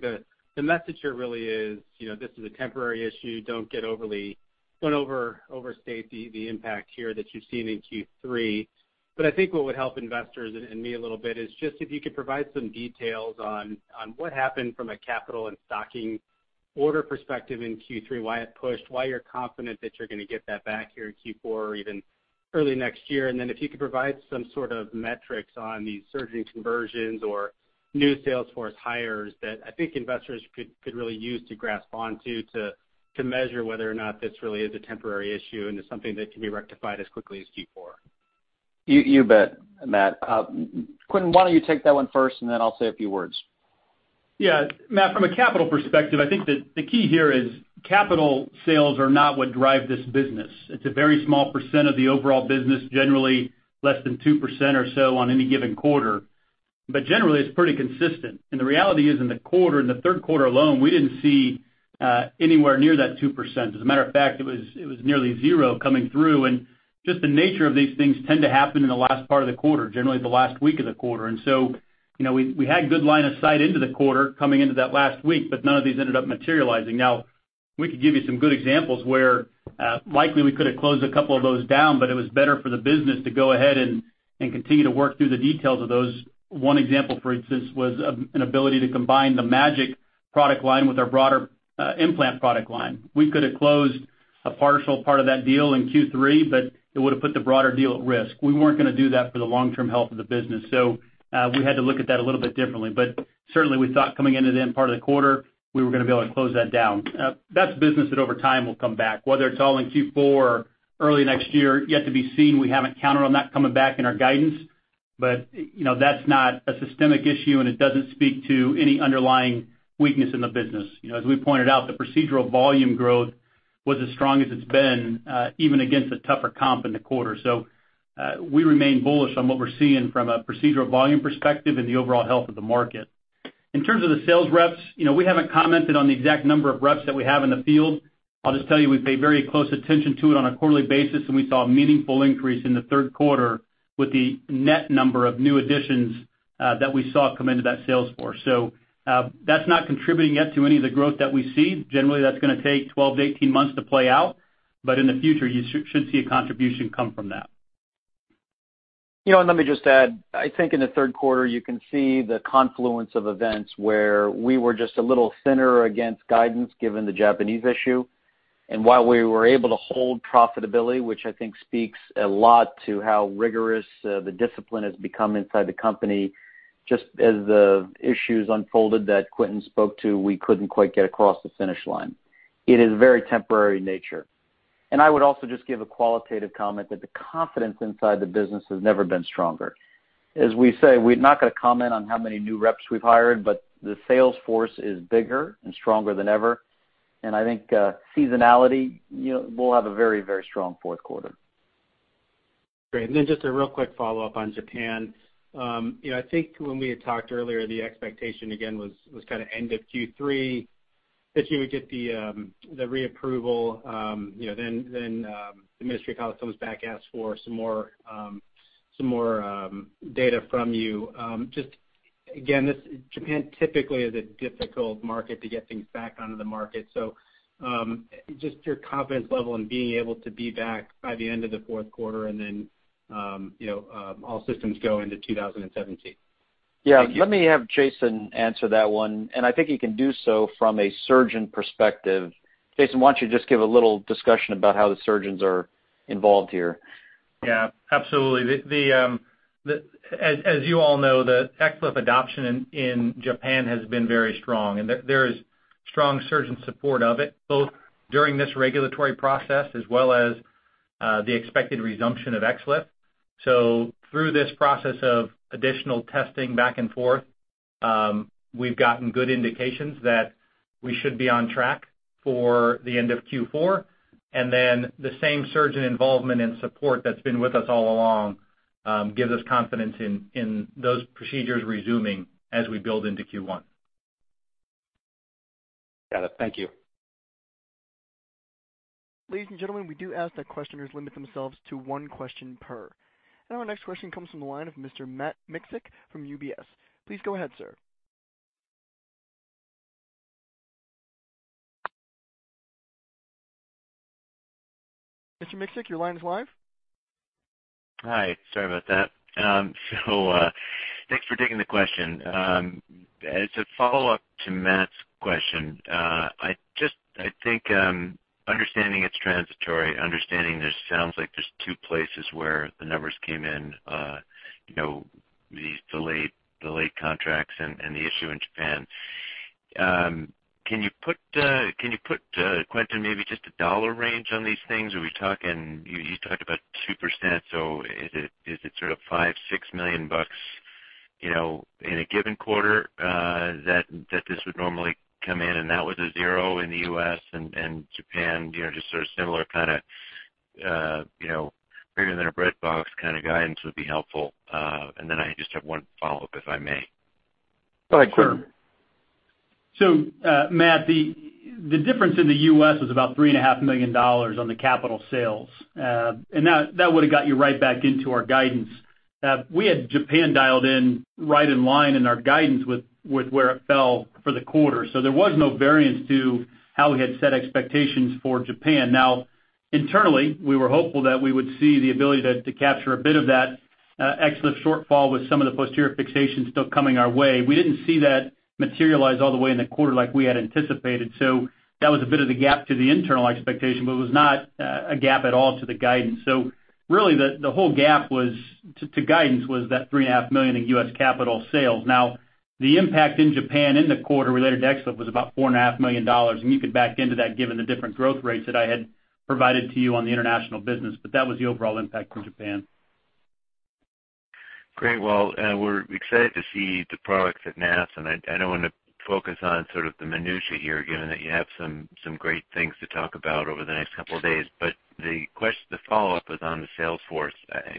the message here really is this is a temporary issue. Don't overstate the impact here that you've seen in Q3. But I think what would help investors and me a little bit is just if you could provide some details on what happened from a capital and stocking order perspective in Q3, why it pushed, why you're confident that you're going to get that back here in Q4 or even early next year. If you could provide some sort of metrics on these surgeon conversions or new Salesforce hires that I think investors could really use to grasp onto to measure whether or not this really is a temporary issue and is something that can be rectified as quickly as Q4. You bet, Matt. Quentin, why don't you take that one first, and then I'll say a few words. Yeah. Matt, from a capital perspective, I think the key here is capital sales are not what drive this business. It's a very small percent of the overall business, generally less than 2% or so on any given quarter. Generally, it's pretty consistent. The reality is, in the quarter and the third quarter alone, we didn't see anywhere near that 2%. As a matter of fact, it was nearly zero coming through. Just the nature of these things tend to happen in the last part of the quarter, generally the last week of the quarter. We had good line of sight into the quarter coming into that last week, but none of these ended up materializing. We could give you some good examples where likely we could have closed a couple of those down, but it was better for the business to go ahead and continue to work through the details of those. One example, for instance, was an ability to combine the MAGIC product line with our broader implant product line. We could have closed a partial part of that deal in Q3, but it would have put the broader deal at risk. We were not going to do that for the long-term health of the business. We had to look at that a little bit differently. Certainly, we thought coming into the end part of the quarter, we were going to be able to close that down. That is business that over time will come back. Whether it is all in Q4 or early next year, yet to be seen. We have not counted on that coming back in our guidance, but that is not a systemic issue, and it does not speak to any underlying weakness in the business. As we pointed out, the procedural volume growth was as strong as it's been, even against a tougher comp in the quarter. We remain bullish on what we're seeing from a procedural volume perspective and the overall health of the market. In terms of the sales reps, we haven't commented on the exact number of reps that we have in the field. I'll just tell you, we pay very close attention to it on a quarterly basis, and we saw a meaningful increase in the third quarter with the net number of new additions that we saw come into that Salesforce. That's not contributing yet to any of the growth that we see. Generally, that's going to take 12-18 months to play out, but in the future, you should see a contribution come from that. Let me just add, I think in the third quarter, you can see the confluence of events where we were just a little thinner against guidance given the Japanese issue. While we were able to hold profitability, which I think speaks a lot to how rigorous the discipline has become inside the company, just as the issues unfolded that Quentin spoke to, we could not quite get across the finish line. It is very temporary in nature. I would also just give a qualitative comment that the confidence inside the business has never been stronger. As we say, we are not going to comment on how many new reps we have hired, but the Salesforce is bigger and stronger than ever. I think seasonality, we will have a very, very strong fourth quarter. Great. Just a real quick follow-up on Japan. I think when we had talked earlier, the expectation, again, was kind of end of Q3 that you would get the reapproval. Then the Ministry of Commerce comes back, asks for some more data from you. Just again, Japan typically is a difficult market to get things back onto the market. So just your confidence level in being able to be back by the end of the fourth quarter and then all systems go into 2017. Yeah. Let me have Jason answer that one. And I think he can do so from a surgeon perspective. Jason, why don't you just give a little discussion about how the surgeons are involved here? Yeah. Absolutely. As you all know, the XLIF adoption in Japan has been very strong, and there is strong surgeon support of it, both during this regulatory process as well as the expected resumption of XLIF. Through this process of additional testing back and forth, we've gotten good indications that we should be on track for the end of Q4. The same surgeon involvement and support that's been with us all along gives us confidence in those procedures resuming as we build into Q1. Got it. Thank you. Ladies and gentlemen, we do ask that questioners limit themselves to one question per. Our next question comes from the line of Mr. Matt Miksic from UBS. Please go ahead, sir. Mr. Miksic, your line is live. Hi. Sorry about that. Thanks for taking the question. As a follow-up to Matt's question, I think understanding it's transitory, understanding there sounds like there's two places where the numbers came in, these delayed contracts and the issue in Japan. Can you put, Quentin, maybe just a dollar range on these things? You talked about 2%, so is it sort of $5 million-$6 million in a given quarter that this would normally come in? That was a zero in the U.S. and Japan, just sort of similar kind of bigger than a bread box kind of guidance would be helpful. I just have one follow-up, if I may. Go ahead, Quentin. Matt, the difference in the U.S. was about $3.5 million on the capital sales. That would have got you right back into our guidance. We had Japan dialed in right in line in our guidance with where it fell for the quarter. There was no variance to how we had set expectations for Japan. Internally, we were hopeful that we would see the ability to capture a bit of that XLIF shortfall with some of the posterior fixation still coming our way. We didn't see that materialize all the way in the quarter like we had anticipated. That was a bit of the gap to the internal expectation, but it was not a gap at all to the guidance. Really, the whole gap to guidance was that $3.5 million in U.S. capital sales. Now, the impact in Japan in the quarter related to XLIF was about $4.5 million. You could back into that given the different growth rates that I had provided to you on the international business, but that was the overall impact in Japan. Great. We are excited to see the products at NASS. I don't want to focus on sort of the minutiae here, given that you have some great things to talk about over the next couple of days. The follow-up was on the Salesforce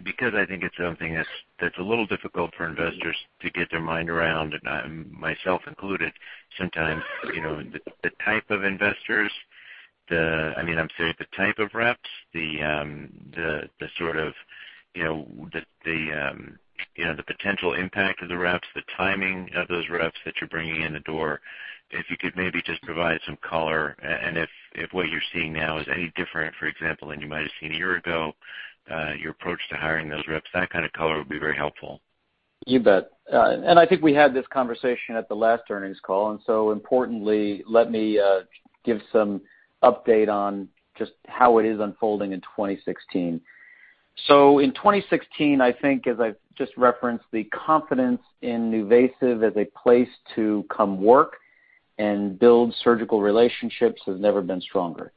because I think it's something that's a little difficult for investors to get their mind around, and myself included, sometimes the type of investors. I mean, I'm sorry, the type of reps, the sort of the potential impact of the reps, the timing of those reps that you're bringing in the door. If you could maybe just provide some color. And if what you're seeing now is any different, for example, than you might have seen a year ago, your approach to hiring those reps, that kind of color would be very helpful. You bet. I think we had this conversation at the last earnings call. Importantly, let me give some update on just how it is unfolding in 2016. In 2016, I think, as I've just referenced, the confidence in NuVasive as a place to come work and build surgical relationships has never been stronger.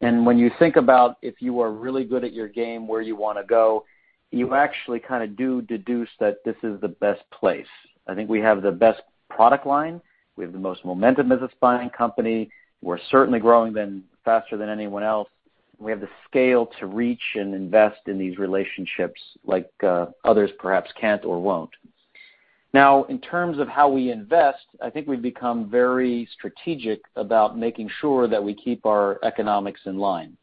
When you think about if you are really good at your game, where you want to go, you actually kind of do deduce that this is the best place. I think we have the best product line. We have the most momentum as a spine company. We're certainly growing faster than anyone else. We have the scale to reach and invest in these relationships like others perhaps can't or won't. Now, in terms of how we invest, I think we've become very strategic about making sure that we keep our economics in line.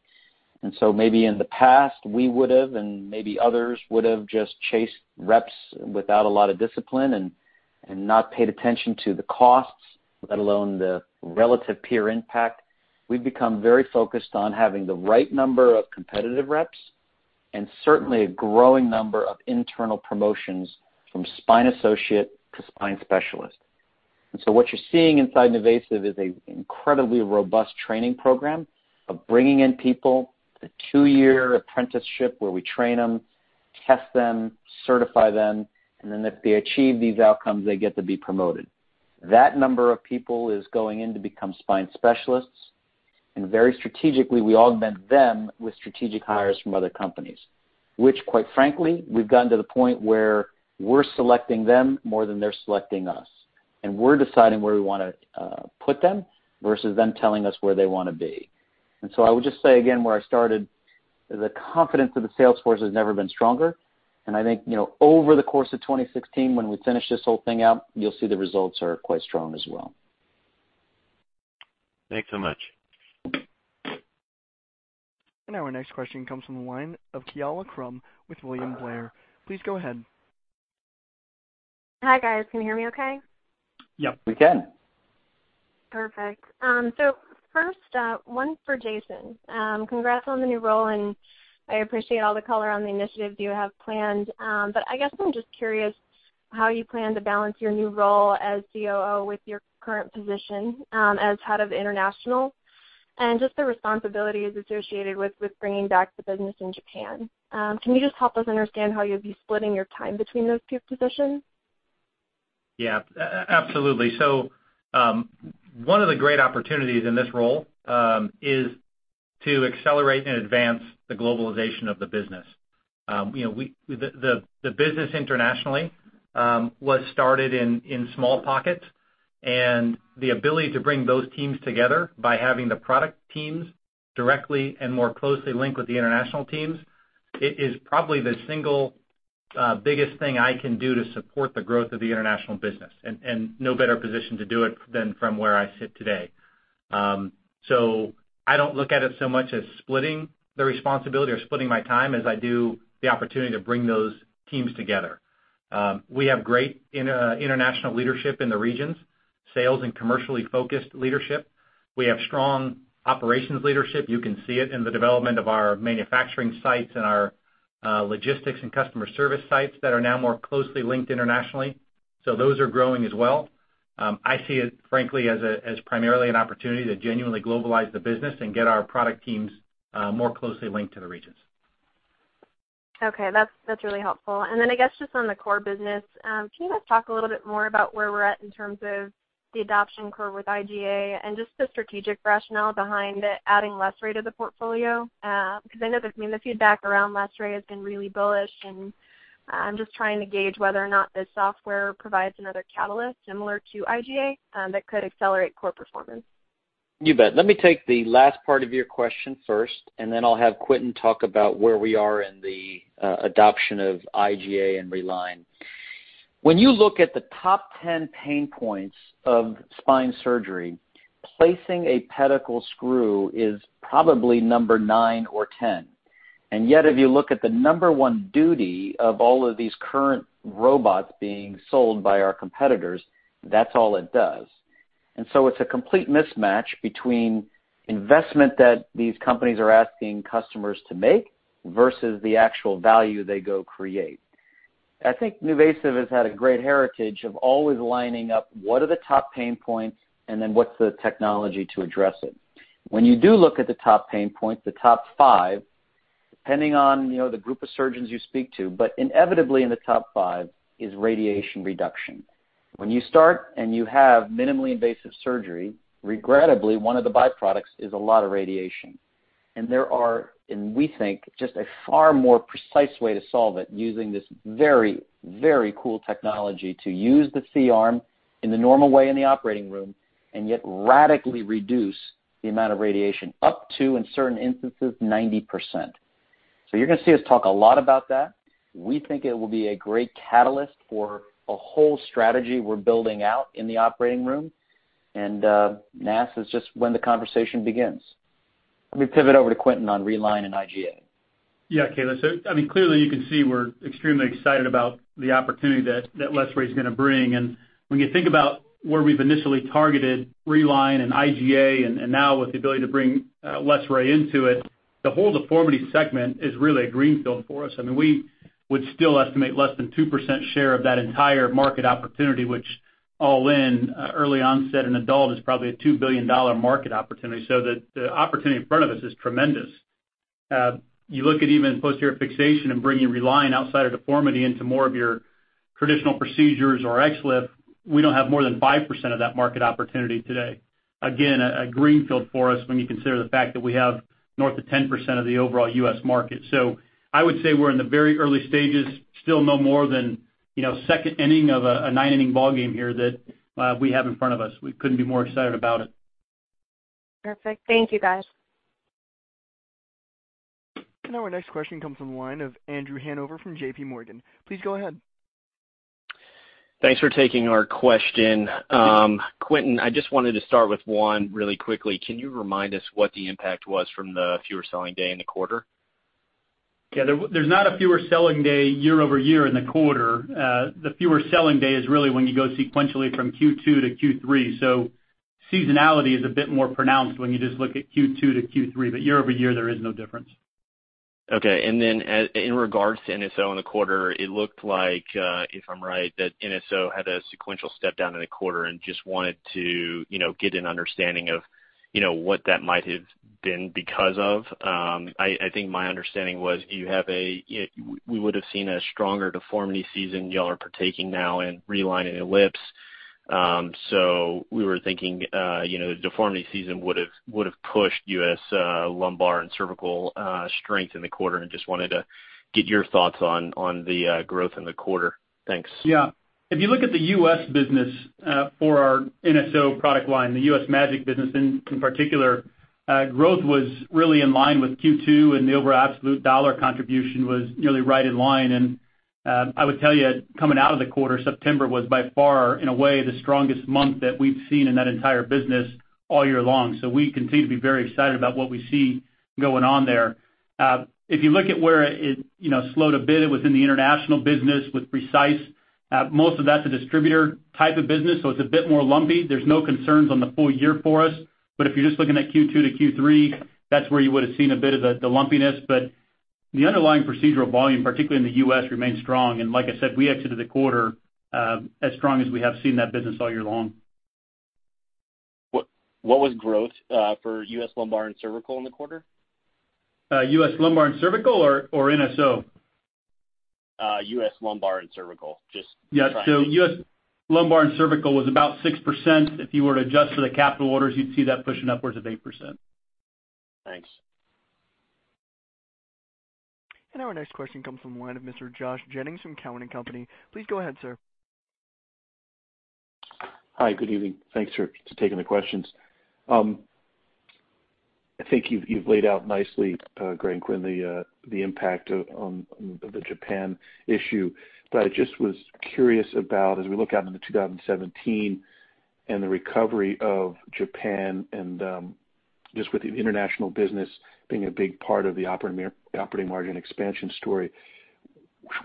Maybe in the past, we would have, and maybe others would have, just chased reps without a lot of discipline and not paid attention to the costs, let alone the relative peer impact. We've become very focused on having the right number of competitive reps and certainly a growing number of internal promotions from spine associate to spine specialist. What you're seeing inside NuVasive is an incredibly robust training program of bringing in people, a two-year apprenticeship where we train them, test them, certify them, and then if they achieve these outcomes, they get to be promoted. That number of people is going in to become spine specialists. Very strategically, we augment them with strategic hires from other companies, which, quite frankly, we've gotten to the point where we're selecting them more than they're selecting us. We're deciding where we want to put them versus them telling us where they want to be. I would just say, again, where I started, the confidence of the Salesforce has never been stronger. I think over the course of 2016, when we finish this whole thing out, you'll see the results are quite strong as well. Thanks so much. Our next question comes from the line of Kaila Krum with William Blair. Please go ahead. Hi, guys. Can you hear me okay? Yep. We can. Perfect. First, one for Jason. Congrats on the new role, and I appreciate all the color on the initiatives you have planned. I guess I'm just curious how you plan to balance your new role as COO with your current position as head of international and just the responsibilities associated with bringing back the business in Japan. Can you just help us understand how you'll be splitting your time between those two positions? Yeah. Absolutely. One of the great opportunities in this role is to accelerate and advance the globalization of the business. The business internationally was started in small pockets. The ability to bring those teams together by having the product teams directly and more closely linked with the international teams is probably the single biggest thing I can do to support the growth of the international business. No better position to do it than from where I sit today. I do not look at it so much as splitting the responsibility or splitting my time as I do the opportunity to bring those teams together. We have great international leadership in the regions, sales and commercially focused leadership. We have strong operations leadership. You can see it in the development of our manufacturing sites and our logistics and customer service sites that are now more closely linked internationally. Those are growing as well. I see it, frankly, as primarily an opportunity to genuinely globalize the business and get our product teams more closely linked to the regions. Okay. That's really helpful. I guess just on the core business, can you guys talk a little bit more about where we're at in terms of the adoption curve with IGA and just the strategic rationale behind adding LESRAY to the portfolio? Because I know the feedback around LESRAY has been really bullish, and I'm just trying to gauge whether or not the software provides another catalyst similar to IGA that could accelerate core performance. You bet. Let me take the last part of your question first, and then I'll have Quentin talk about where we are in the adoption of IGA and RELINE. When you look at the top 10 pain points of spine surgery, placing a pedicle screw is probably number 9 or 10. Yet, if you look at the number one duty of all of these current robots being sold by our competitors, that's all it does. It is a complete mismatch between investment that these companies are asking customers to make versus the actual value they go create. I think NuVasive has had a great heritage of always lining up what are the top pain points and then what's the technology to address it. When you do look at the top pain points, the top five, depending on the group of surgeons you speak to, but inevitably in the top five is radiation reduction. When you start and you have minimally invasive surgery, regrettably, one of the byproducts is a lot of radiation. There are, and we think, just a far more precise way to solve it using this very, very cool technology to use the C-arm in the normal way in the operating room and yet radically reduce the amount of radiation up to, in certain instances, 90%. You are going to see us talk a lot about that. We think it will be a great catalyst for a whole strategy we are building out in the operating room. NASS is just when the conversation begins. Let me pivot over to Quentin on RELINE and IGA. Yeah, Caleb. I mean, clearly, you can see we're extremely excited about the opportunity that LESRAY is going to bring. And when you think about where we've initially targeted RELINE and IGA and now with the ability to bring LESRAY into it, the whole deformity segment is really a greenfield for us. I mean, we would still estimate less than 2% share of that entire market opportunity, which all in early onset and adult is probably a $2 billion market opportunity. The opportunity in front of us is tremendous. You look at even posterior fixation and bringing RELINE outside of deformity into more of your traditional procedures or XLIF, we don't have more than 5% of that market opportunity today. Again, a greenfield for us when you consider the fact that we have north of 10% of the overall U.S. market. I would say we're in the very early stages, still no more than second inning of a nine-inning ballgame here that we have in front of us. We couldn't be more excited about it. Perfect. Thank you, guys. Our next question comes from the line of Andrew Hanover from JPMorgan. Please go ahead. Thanks for taking our question. Quentin, I just wanted to start with one really quickly. Can you remind us what the impact was from the fewer selling day in the quarter? Yeah. There's not a fewer selling day year over year in the quarter. The fewer selling day is really when you go sequentially from Q2 to Q3. Seasonality is a bit more pronounced when you just look at Q2 to Q3. Year over year, there is no difference. Okay. In regards to NSO in the quarter, it looked like, if I'm right, that NSO had a sequential step down in the quarter and just wanted to get an understanding of what that might have been because of. I think my understanding was you have a we would have seen a stronger deformity season y'all are partaking now in RELINE and Ellips. We were thinking the deformity season would have pushed U.S. lumbar and cervical strength in the quarter and just wanted to get your thoughts on the growth in the quarter. Thanks. Yeah. If you look at the U.S. business for our NSO product line, the US MAGIC business in particular, growth was really in line with Q2, and the overall absolute dollar contribution was nearly right in line. I would tell you, coming out of the quarter, September was by far, in a way, the strongest month that we've seen in that entire business all year long. We continue to be very excited about what we see going on there. If you look at where it slowed a bit, it was in the international business with Precise. Most of that's a distributor type of business, so it's a bit more lumpy. There's no concerns on the full year for us. If you're just looking at Q2 to Q3, that's where you would have seen a bit of the lumpiness. The underlying procedural volume, particularly in the U.S., remained strong. Like I said, we exited the quarter as strong as we have seen that business all year long. What was growth for U.S. lumbar and cervical in the quarter? U.S. lumbar and cervical or NSO? U.S. lumbar and cervical. Just trying to. Yeah. So U.S. lumbar and cervical was about 6%. If you were to adjust for the capital orders, you'd see that pushing upwards of 8%. Thanks. Our next question comes from the line of Mr. Josh Jennings from Cowen & Company. Please go ahead, sir. Hi. Good evening. Thanks for taking the questions. I think you've laid out nicely, Graham Quinn, the impact of the Japan issue. I just was curious about, as we look out into 2017 and the recovery of Japan and just with the international business being a big part of the operating margin expansion story,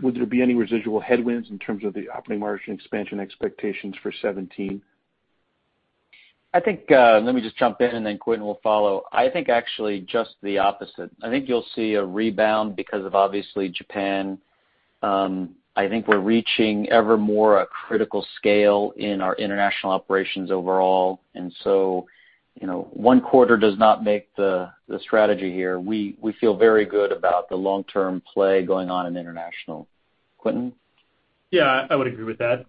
would there be any residual headwinds in terms of the operating margin expansion expectations for 2017? I think let me just jump in, and then Quentin will follow. I think actually just the opposite. I think you'll see a rebound because of, obviously, Japan. I think we're reaching ever more a critical scale in our international operations overall. One quarter does not make the strategy here. We feel very good about the long-term play going on in international. Quentin? Yeah. I would agree with that.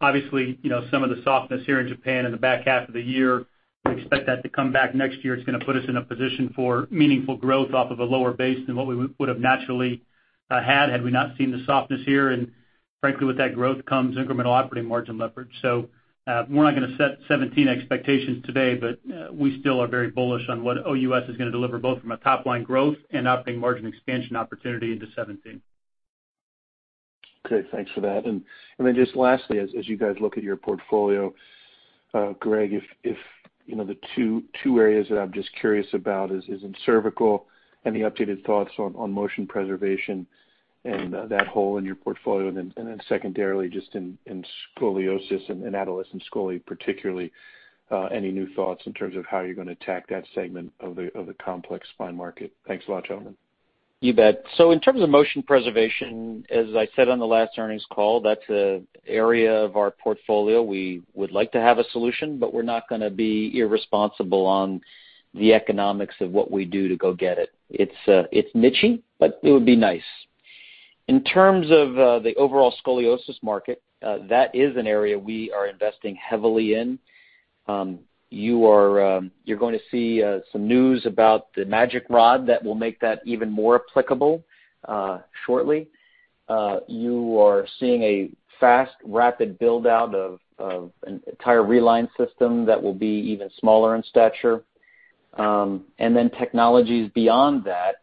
Obviously, some of the softness here in Japan in the back half of the year, we expect that to come back next year. It's going to put us in a position for meaningful growth off of a lower base than what we would have naturally had had we not seen the softness here. Frankly, with that growth comes incremental operating margin leverage. We're not going to set 2017 expectations today, but we still are very bullish on what OUS is going to deliver both from a top-line growth and operating margin expansion opportunity into 2017. Okay. Thanks for that. And then just lastly, as you guys look at your portfolio, Greg, if the two areas that I'm just curious about is in cervical and the updated thoughts on motion preservation and that hole in your portfolio. And then secondarily, just in scoliosis and adolescent scoli particularly, any new thoughts in terms of how you're going to attack that segment of the complex spine market? Thanks a lot, gentlemen. You bet. In terms of motion preservation, as I said on the last earnings call, that's an area of our portfolio we would like to have a solution, but we're not going to be irresponsible on the economics of what we do to go get it. It's niche, but it would be nice. In terms of the overall scoliosis market, that is an area we are investing heavily in. You're going to see some news about the MAGIC Rod that will make that even more applicable shortly. You are seeing a fast, rapid build-out of an entire RELINE system that will be even smaller in stature. And then technologies beyond that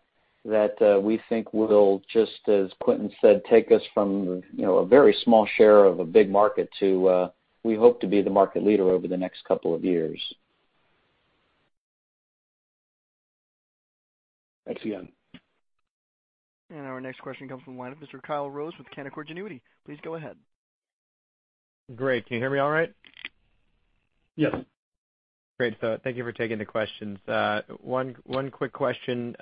that we think will, just as Quentin said, take us from a very small share of a big market to, we hope, to be the market leader over the next couple of years. Thanks again. Our next question comes from the line of Mr. Kyle Rose with Canaccord Genuity. Please go ahead. Greg, can you hear me all right? Yes. Great. Thank you for taking the questions. One quick question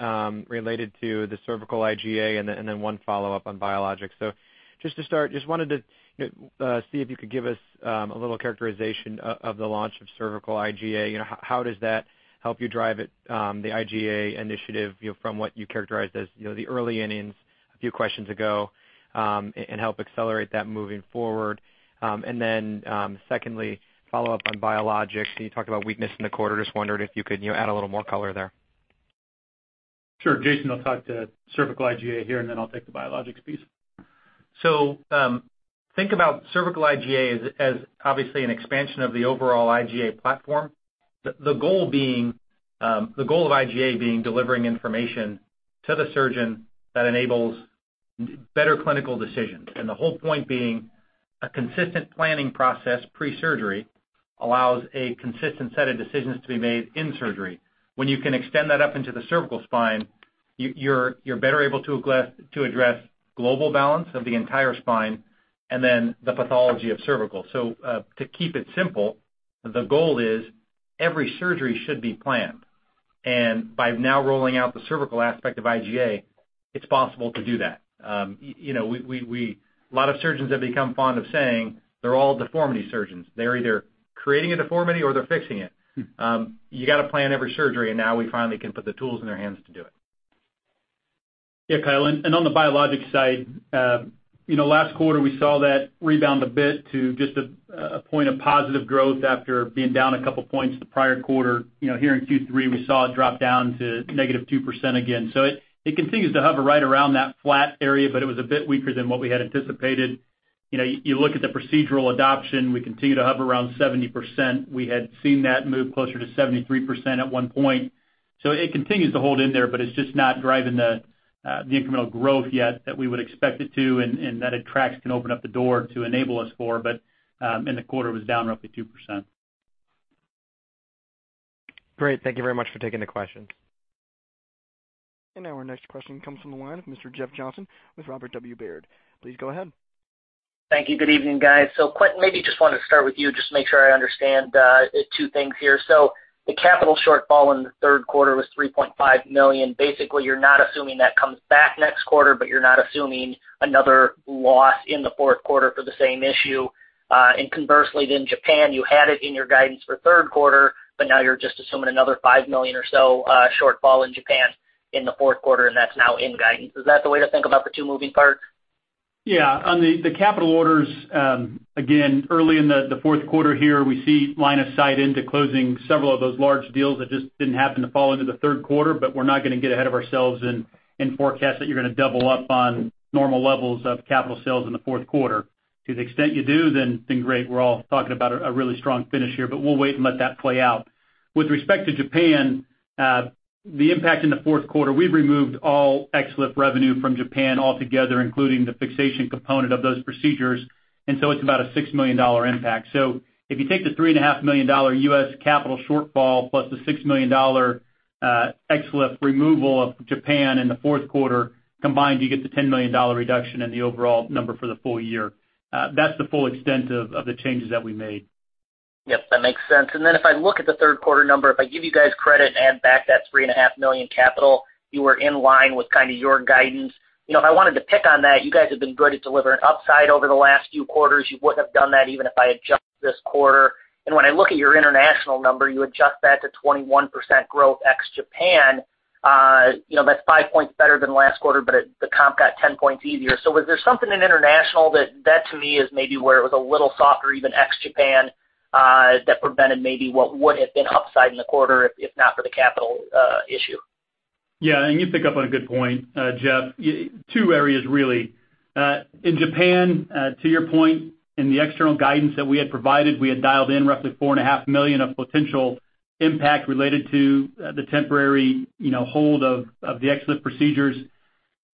related to the cervical IGA and then one follow-up on biologics. Just to start, just wanted to see if you could give us a little characterization of the launch of cervical IGA. How does that help you drive the IGA initiative from what you characterized as the early innings a few questions ago and help accelerate that moving forward? Secondly, follow-up on biologics. You talked about weakness in the quarter. Just wondered if you could add a little more color there. Sure. Jason, I'll talk to cervical IGA here, and then I'll take the biologics piece. Think about cervical IGA as obviously an expansion of the overall IGA platform. The goal of IGA being delivering information to the surgeon that enables better clinical decisions. The whole point being a consistent planning process pre-surgery allows a consistent set of decisions to be made in surgery. When you can extend that up into the cervical spine, you're better able to address global balance of the entire spine and then the pathology of cervical. To keep it simple, the goal is every surgery should be planned. By now rolling out the cervical aspect of IGA, it's possible to do that. A lot of surgeons have become fond of saying they're all deformity surgeons. They're either creating a deformity or they're fixing it. You got to plan every surgery, and now we finally can put the tools in their hands to do it. Yeah, Kyle. On the biologics side, last quarter, we saw that rebound a bit to just a point of positive growth after being down a couple of points the prior quarter. Here in Q3, we saw it drop down to -2% again. It continues to hover right around that flat area, but it was a bit weaker than what we had anticipated. You look at the procedural adoption, we continue to hover around 70%. We had seen that move closer to 73% at one point. It continues to hold in there, but it's just not driving the incremental growth yet that we would expect it to and that AttraX can open up the door to enable us for. In the quarter, it was down roughly 2%. Great. Thank you very much for taking the questions. Our next question comes from the line of Mr. Jeff Johnson with Robert W. Baird. Please go ahead. Thank you. Good evening, guys. Quentin, maybe just wanted to start with you just to make sure I understand two things here. The capital shortfall in the third quarter was $3.5 million. Basically, you're not assuming that comes back next quarter, but you're not assuming another loss in the fourth quarter for the same issue. Conversely, then Japan, you had it in your guidance for third quarter, but now you're just assuming another $5 million or so shortfall in Japan in the fourth quarter, and that's now in guidance. Is that the way to think about the two moving parts? Yeah. On the capital orders, again, early in the fourth quarter here, we see line of sight into closing several of those large deals that just didn't happen to fall into the third quarter, but we're not going to get ahead of ourselves and forecast that you're going to double up on normal levels of capital sales in the fourth quarter. To the extent you do, then great. We're all talking about a really strong finish here, but we'll wait and let that play out. With respect to Japan, the impact in the fourth quarter, we've removed all XLIF revenue from Japan altogether, including the fixation component of those procedures. It's about a $6 million impact. If you take the $3.5 million U.S. capital shortfall plus the $6 million XLIF removal of Japan in the fourth quarter combined, you get the $10 million reduction in the overall number for the full year. That's the full extent of the changes that we made. Yep. That makes sense. If I look at the third quarter number, if I give you guys credit and add back that $3.5 million capital, you were in line with kind of your guidance. If I wanted to pick on that, you guys have been good at delivering upside over the last few quarters. You wouldn't have done that even if I adjusted this quarter. When I look at your international number, you adjust that to 21% growth ex-Japan. That's five points better than last quarter, but the comp got 10 points easier. Was there something in international that, to me, is maybe where it was a little softer even ex-Japan that prevented maybe what would have been upside in the quarter if not for the capital issue? Yeah, you pick up on a good point, Jeff. Two areas really. In Japan, to your point, in the external guidance that we had provided, we had dialed in roughly $4.5 million of potential impact related to the temporary hold of the XLIF procedures.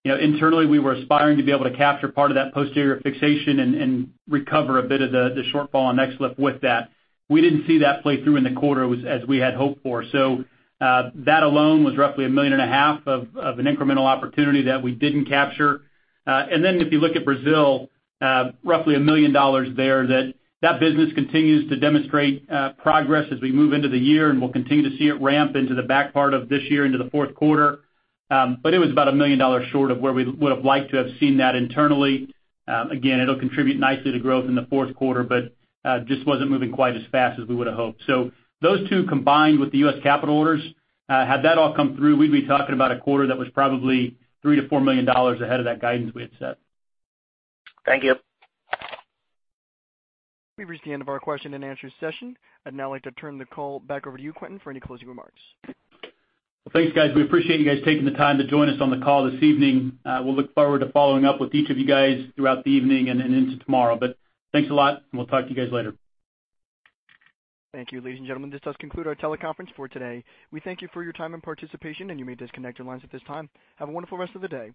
Internally, we were aspiring to be able to capture part of that posterior fixation and recover a bit of the shortfall on XLIF with that. We didn't see that play through in the quarter as we had hoped for. That alone was roughly $1.5 million of an incremental opportunity that we did not capture. If you look at Brazil, roughly $1 million there, that business continues to demonstrate progress as we move into the year and we will continue to see it ramp into the back part of this year into the fourth quarter. It was about $1 million short of where we would have liked to have seen that internally. Again, it will contribute nicely to growth in the fourth quarter, but just was not moving quite as fast as we would have hoped. Those two combined with the U.S. capital orders, had that all come through, we would be talking about a quarter that was probably $3 million-$4 million ahead of that guidance we had set. Thank you. We have reached the end of our question and answer session. I'd now like to turn the call back over to you, Quentin, for any closing remarks. Thanks, guys. We appreciate you guys taking the time to join us on the call this evening. We'll look forward to following up with each of you guys throughout the evening and into tomorrow. Thanks a lot, and we'll talk to you guys later. Thank you. Ladies and gentlemen, this does conclude our teleconference for today. We thank you for your time and participation, and you may disconnect your lines at this time. Have a wonderful rest of the day.